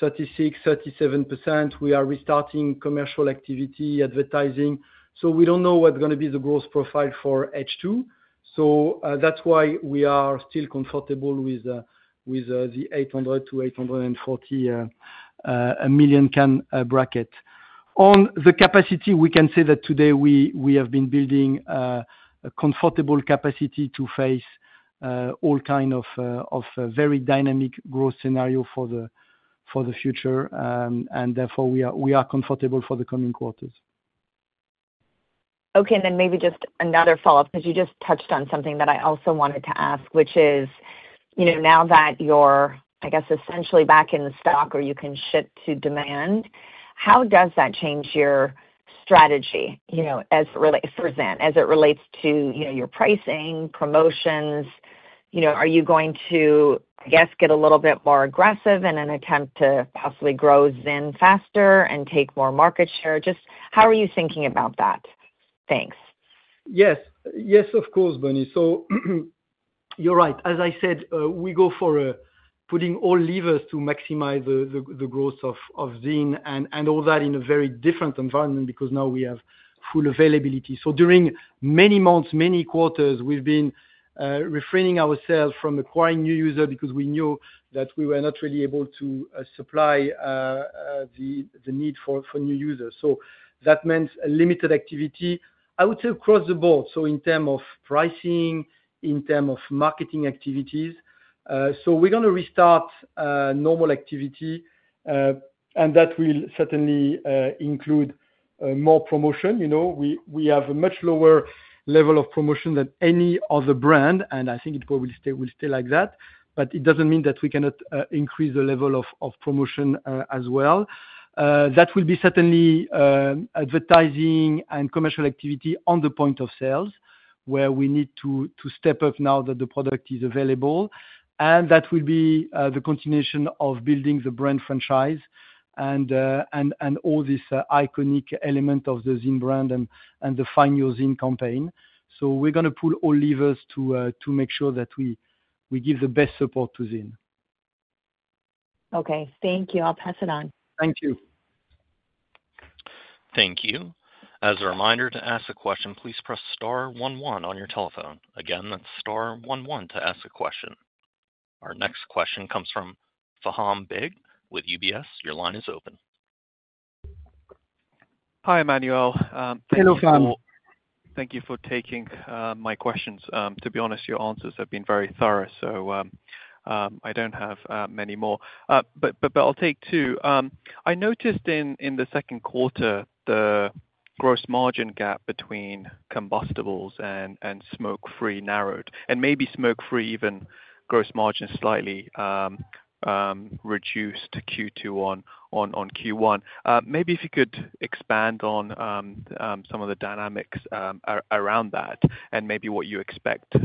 36%, 37%, we are restarting commercial activity, advertising. We do not know what is going to be the growth profile for H2. That is why we are still comfortable with the 800-840 million bracket. On the capacity, we can say that today we have been building a comfortable capacity to face all kinds of very dynamic growth scenarios for the future. Therefore, we are comfortable for the coming quarters. Okay. Maybe just another follow-up because you just touched on something that I also wanted to ask, which is now that you're, I guess, essentially back in stock or you can ship to demand, how does that change your strategy for Zyn as it relates to your pricing, promotions? Are you going to, I guess, get a little bit more aggressive in an attempt to possibly grow Zyn faster and take more market share? Just how are you thinking about that? Thanks. Yes. Yes, of course, Bonnie. You're right. As I said, we go for putting all levers to maximize the growth of Zyn and all that in a very different environment because now we have full availability. During many months, many quarters, we've been refraining ourselves from acquiring new users because we knew that we were not really able to supply the need for new users. That meant limited activity, I would say, across the board. In terms of pricing, in terms of marketing activities. We're going to restart normal activity, and that will certainly include more promotion. We have a much lower level of promotion than any other brand, and I think it will stay like that. It does not mean that we cannot increase the level of promotion as well. That will be certainly advertising and commercial activity on the point of sales where we need to step up now that the product is available. That will be the continuation of building the brand franchise and all this iconic element of the Zyn brand and the Find Your Zyn campaign. We are going to pull all levers to make sure that we give the best support to Zyn. Okay. Thank you. I'll pass it on. Thank you. Thank you. As a reminder, to ask a question, please press star 11 on your telephone. Again, that's star 11 to ask a question. Our next question comes from Faham Big with UBS. Your line is open. Hi, Emmanuel. Hello, Faham. Thank you for taking my questions. To be honest, your answers have been very thorough, so I do not have many more. I will take two. I noticed in the second quarter, the gross margin gap between combustibles and smoke-free narrowed, and maybe smoke-free even gross margin slightly reduced Q2 on Q1. Maybe if you could expand on some of the dynamics around that and maybe what you expect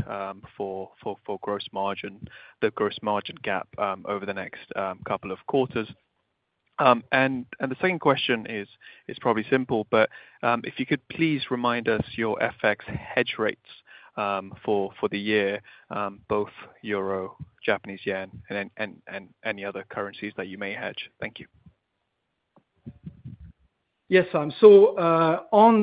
for the gross margin gap over the next couple of quarters. The second question is probably simple, but if you could please remind us your FX hedge rates for the year, both Euro, Japanese yen, and any other currencies that you may hedge. Thank you. Yes, Faham. On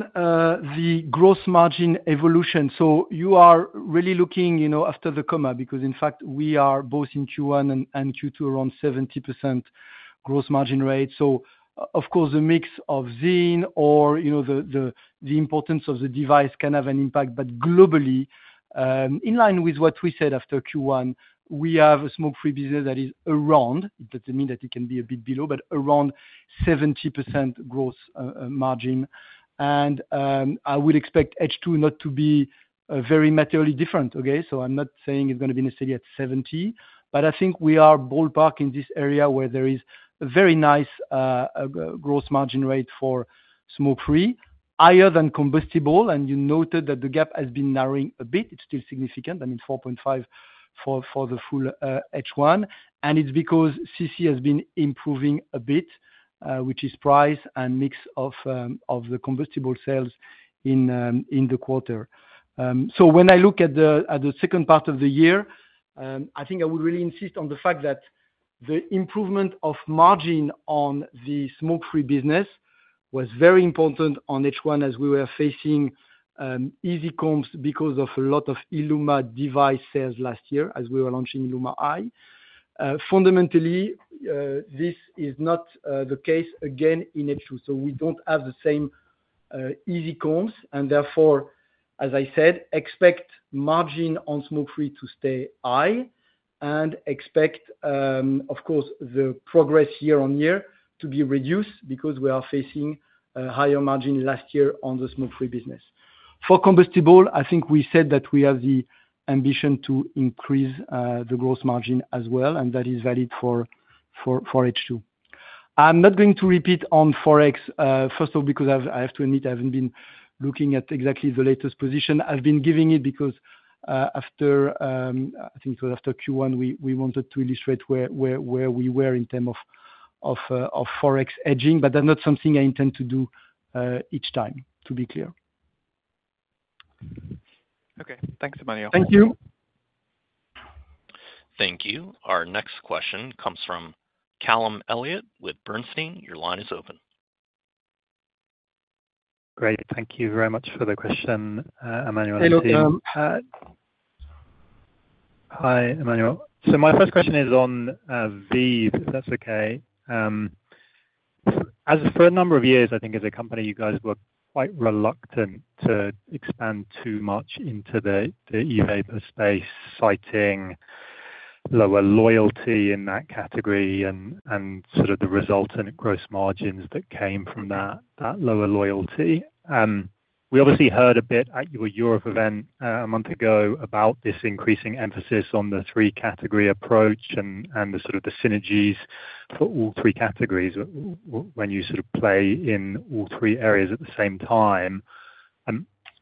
the gross margin evolution, you are really looking after the comma because, in fact, we are both in Q1 and Q2 around 70% gross margin rate. Of course, the mix of Zyn or the importance of the device can have an impact. Globally, in line with what we said after Q1, we have a smoke-free business that is around—it does not mean that it can be a bit below—but around 70% gross margin. I would expect H2 not to be very materially different, okay? I am not saying it is going to be necessarily at 70, but I think we are ballparking this area where there is a very nice gross margin rate for smoke-free, higher than combustible. You noted that the gap has been narrowing a bit. It is still significant. I mean, 4.5 for the full H1. It is because CC has been improving a bit, which is price and mix of the combustible sales in the quarter. When I look at the second part of the year, I think I would really insist on the fact that the improvement of margin on the smoke-free business was very important on H1 as we were facing easy comps because of a lot of ILUMA device sales last year as we were launching ILUMA Eye. Fundamentally, this is not the case again in H2. We do not have the same easy comps. Therefore, as I said, expect margin on smoke-free to stay high and expect, of course, the progress year on year to be reduced because we are facing higher margin last year on the smoke-free business. For combustible, I think we said that we have the ambition to increase the gross margin as well, and that is valid for H2. I'm not going to repeat on Forex, first of all, because I have to admit I haven't been looking at exactly the latest position. I've been giving it because after, I think it was after Q1, we wanted to illustrate where we were in terms of Forex hedging. But that's not something I intend to do each time, to be clear. Okay. Thanks, Emmanuel. Thank you. Thank you. Our next question comes from Callum Elliott with Bernstein. Your line is open. Great. Thank you very much for the question, Emmanuel. Hello Callum. Hi, Emmanuel. So my first question is on Veev, if that's okay. As for a number of years, I think as a company, you guys were quite reluctant to expand too much into the e-vapor space, citing lower loyalty in that category and sort of the resultant gross margins that came from that lower loyalty. We obviously heard a bit at your Europe event a month ago about this increasing emphasis on the three-category approach and sort of the synergies for all three categories when you sort of play in all three areas at the same time.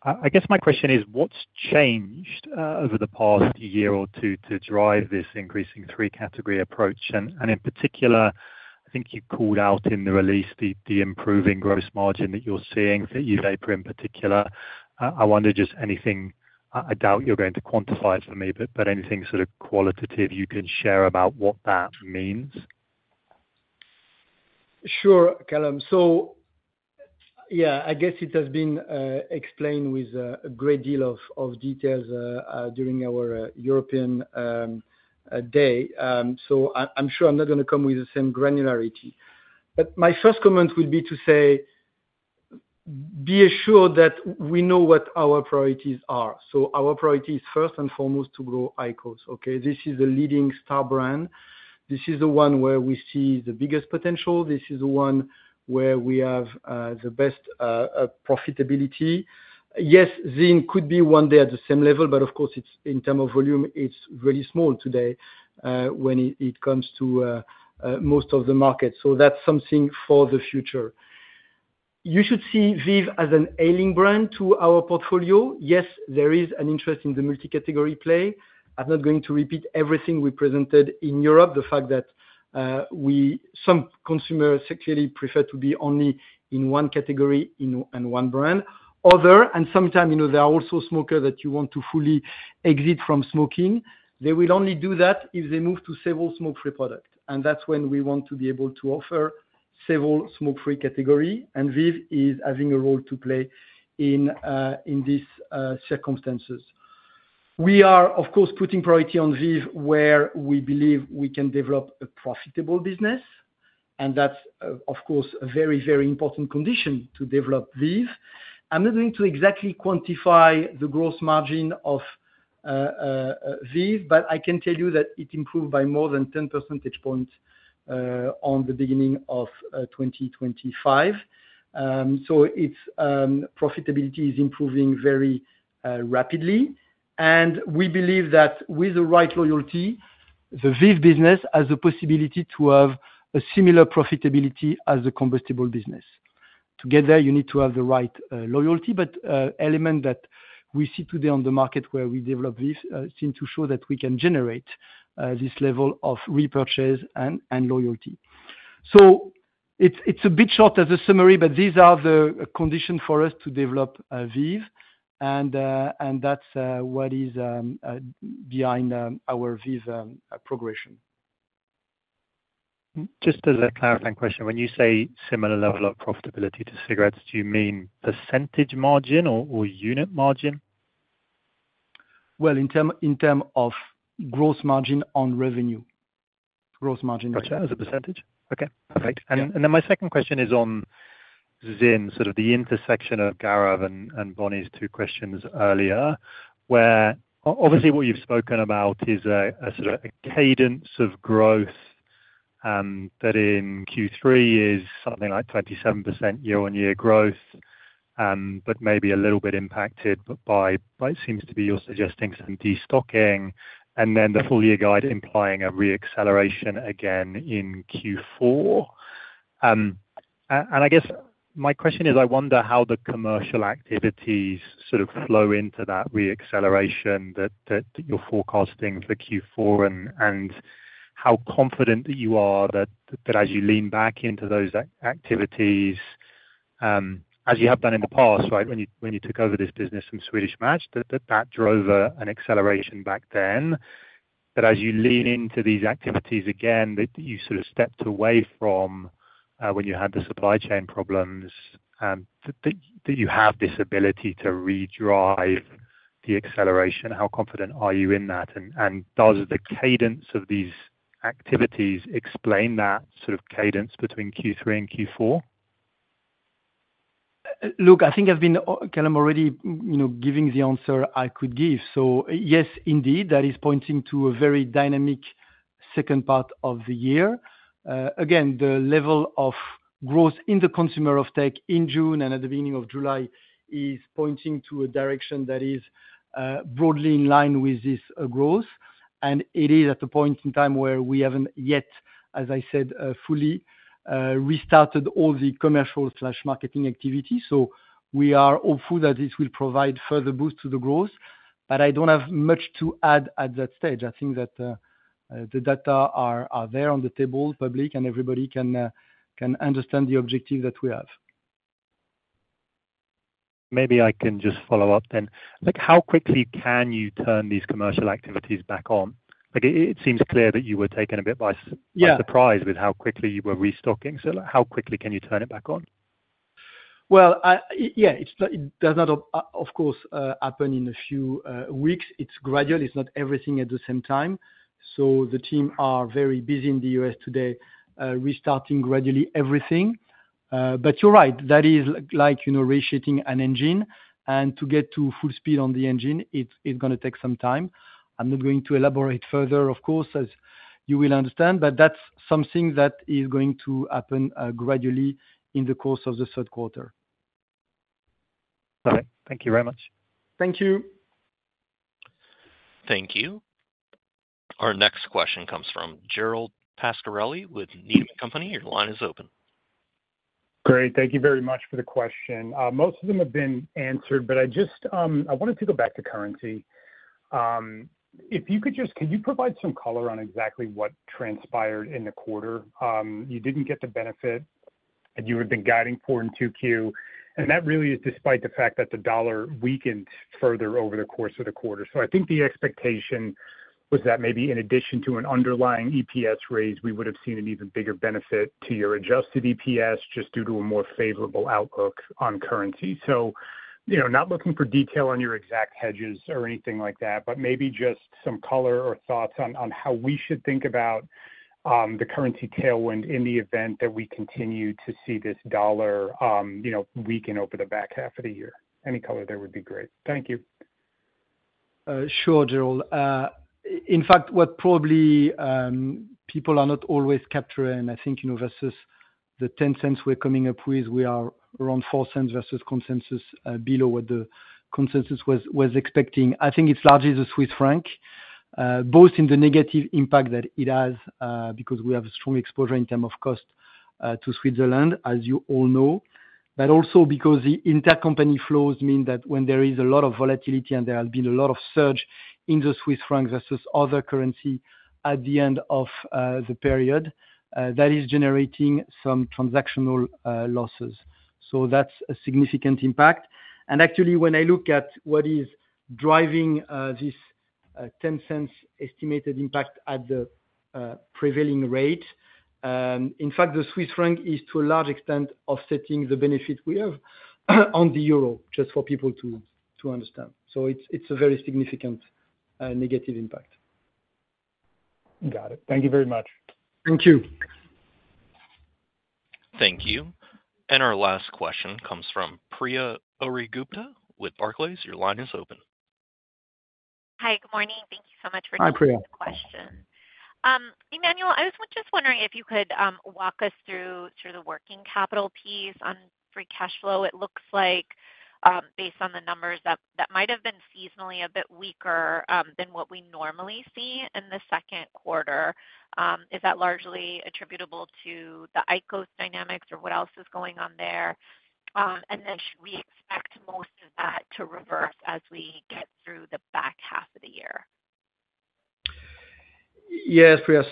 I guess my question is, what's changed over the past year or two to drive this increasing three-category approach? In particular, I think you called out in the release the improving gross margin that you're seeing for e-vapor in particular. I wonder just anything—I doubt you're going to quantify it for me—but anything sort of qualitative you can share about what that means? Sure, Callum. Yeah, I guess it has been explained with a great deal of details during our European day. I'm sure I'm not going to come with the same granularity. My first comment would be to say, be assured that we know what our priorities are. Our priority is first and foremost to grow IQOS, okay? This is the leading star brand. This is the one where we see the biggest potential. This is the one where we have the best profitability. Yes, Zyn could be one day at the same level, but of course, in terms of volume, it's really small today when it comes to most of the market. That's something for the future. You should see Veev as an ailing brand to our portfolio. Yes, there is an interest in the multi-category play. I'm not going to repeat everything we presented in Europe, the fact that some consumers clearly prefer to be only in one category and one brand. Other, and sometimes there are also smokers that you want to fully exit from smoking. They will only do that if they move to several smoke-free products. That is when we want to be able to offer several smoke-free categories. Veev is having a role to play in these circumstances. We are, of course, putting priority on Veev where we believe we can develop a profitable business. That is, of course, a very, very important condition to develop Veev. I am not going to exactly quantify the gross margin of Veev, but I can tell you that it improved by more than 10 percentage points on the beginning of 2025. Profitability is improving very rapidly. We believe that with the right loyalty, the Veev business has the possibility to have a similar profitability as the combustible business. Together, you need to have the right loyalty. But elements that we see today on the market where we develop Veev seem to show that we can generate this level of repurchase and loyalty. It is a bit short as a summary, but these are the conditions for us to develop Veev. That is what is behind our Veev progression. Just as a clarifying question, when you say similar level of profitability to cigarettes, do you mean percentage margin or unit margin? In terms of gross margin on revenue. Gross margin. Gotcha. As a percentage. Okay. Perfect. My second question is on Zyn, sort of the intersection of Gaurav and Bonnie's two questions earlier, where obviously what you've spoken about is a sort of cadence of growth that in Q3 is something like 27% year-on-year growth, but maybe a little bit impacted by what seems to be you're suggesting some destocking, and then the full-year guide implying a reacceleration again in Q4. I guess my question is, I wonder how the commercial activities sort of flow into that reacceleration that you're forecasting for Q4 and how confident that you are that as you lean back into those activities, as you have done in the past, right, when you took over this business from Swedish Match, that that drove an acceleration back then, that as you lean into these activities again, that you sort of stepped away from when you had the supply chain problems, that you have this ability to redrive the acceleration. How confident are you in that? And does the cadence of these activities explain that sort of cadence between Q3 and Q4? Look, I think I've been, Callum, already giving the answer I could give. Yes, indeed, that is pointing to a very dynamic second part of the year. Again, the level of growth in the consumer of tech in June and at the beginning of July is pointing to a direction that is broadly in line with this growth. It is at a point in time where we have not yet, as I said, fully restarted all the commercial/marketing activity. We are hopeful that this will provide further boost to the growth. I do not have much to add at that stage. I think that the data are there on the table, public, and everybody can understand the objective that we have. Maybe I can just follow up then. How quickly can you turn these commercial activities back on? It seems clear that you were taken a bit by surprise with how quickly you were restocking. How quickly can you turn it back on? It does not, of course, happen in a few weeks. It's gradual. It's not everything at the same time. The team are very busy in the U.S. today restarting gradually everything. You're right. That is like reshitting an engine. To get to full speed on the engine, it's going to take some time. I'm not going to elaborate further, of course, as you will understand, but that's something that is going to happen gradually in the course of the third quarter. All right. Thank you very much. Thank you. Thank you. Our next question comes from Gerald Pascarelli with Needham & Company. Your line is open. Great. Thank you very much for the question. Most of them have been answered, but I wanted to go back to currency. If you could just, can you provide some color on exactly what transpired in the quarter? You didn't get the benefit, and you had been guiding for in Q2. That really is despite the fact that the dollar weakened further over the course of the quarter. I think the expectation was that maybe in addition to an underlying EPS raise, we would have seen an even bigger benefit to your adjusted EPS just due to a more favorable outlook on currency. Not looking for detail on your exact hedges or anything like that, but maybe just some color or thoughts on how we should think about the currency tailwind in the event that we continue to see this dollar weaken over the back half of the year. Any color there would be great. Thank you. Sure, Gerald. In fact, what probably people are not always capturing, and I think versus the 10 cents we are coming up with, we are around 4 cents versus consensus below what the consensus was expecting. I think it's largely the Swiss franc, both in the negative impact that it has because we have a strong exposure in terms of cost to Switzerland, as you all know, but also because the intercompany flows mean that when there is a lot of volatility and there has been a lot of surge in the Swiss franc versus other currency at the end of the period, that is generating some transactional losses. That's a significant impact. Actually, when I look at what is driving this $0.10 estimated impact at the prevailing rate, in fact, the Swiss franc is to a large extent offsetting the benefit we have on the euro, just for people to understand. It's a very significant negative impact. Got it. Thank you very much. Thank you. Thank you. Our last question comes from Priya Ohri-Gupta with Barclays. Your line is open. Hi, good morning. Thank you so much for taking the question. Hi, Priya. Emmanuel, I was just wondering if you could walk us through sort of the working capital piece on free cash flow. It looks like, based on the numbers, that might have been seasonally a bit weaker than what we normally see in the second quarter. Is that largely attributable to the IQOS dynamics or what else is going on there? Should we expect most of that to reverse as we get through the back half of the year? Yes, Priya.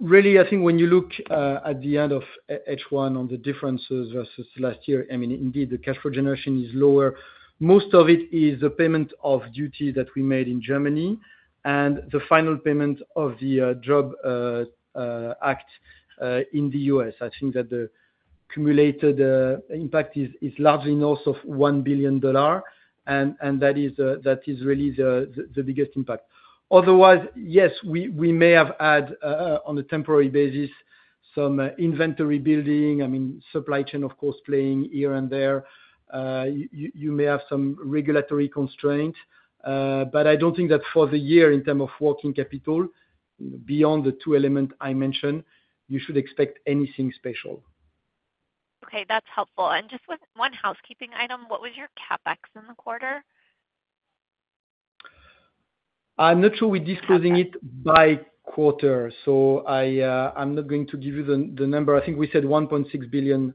Really, I think when you look at the end of H1 on the differences versus last year, I mean, indeed, the cash flow generation is lower. Most of it is the payment of duties that we made in Germany and the final payment of the job act in the US. I think that the cumulated impact is largely north of $1 billion, and that is really the biggest impact. Otherwise, yes, we may have had, on a temporary basis, some inventory building. I mean, supply chain, of course, playing here and there. You may have some regulatory constraints. I do not think that for the year, in terms of working capital, beyond the two elements I mentioned, you should expect anything special. Okay. That is helpful. Just one housekeeping item. What was your CapEx in the quarter? I am not sure we are disclosing it by quarter. I am not going to give you the number. I think we said $1.6 billion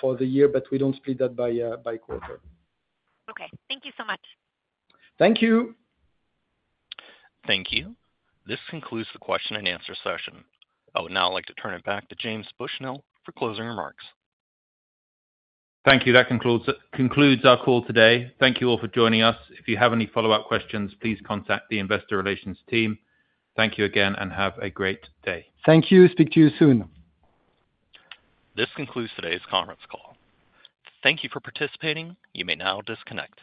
for the year, but we do not split that by quarter. Okay. Thank you so much. Thank you. Thank you. This concludes the question-and-answer session. Now I would like to turn it back to James Bushnell for closing remarks. Thank you. That concludes our call today. Thank you all for joining us. If you have any follow-up questions, please contact the investor relations team. Thank you again, and have a great day. Thank you. Speak to you soon. This concludes today's conference call. Thank you for participating. You may now disconnect.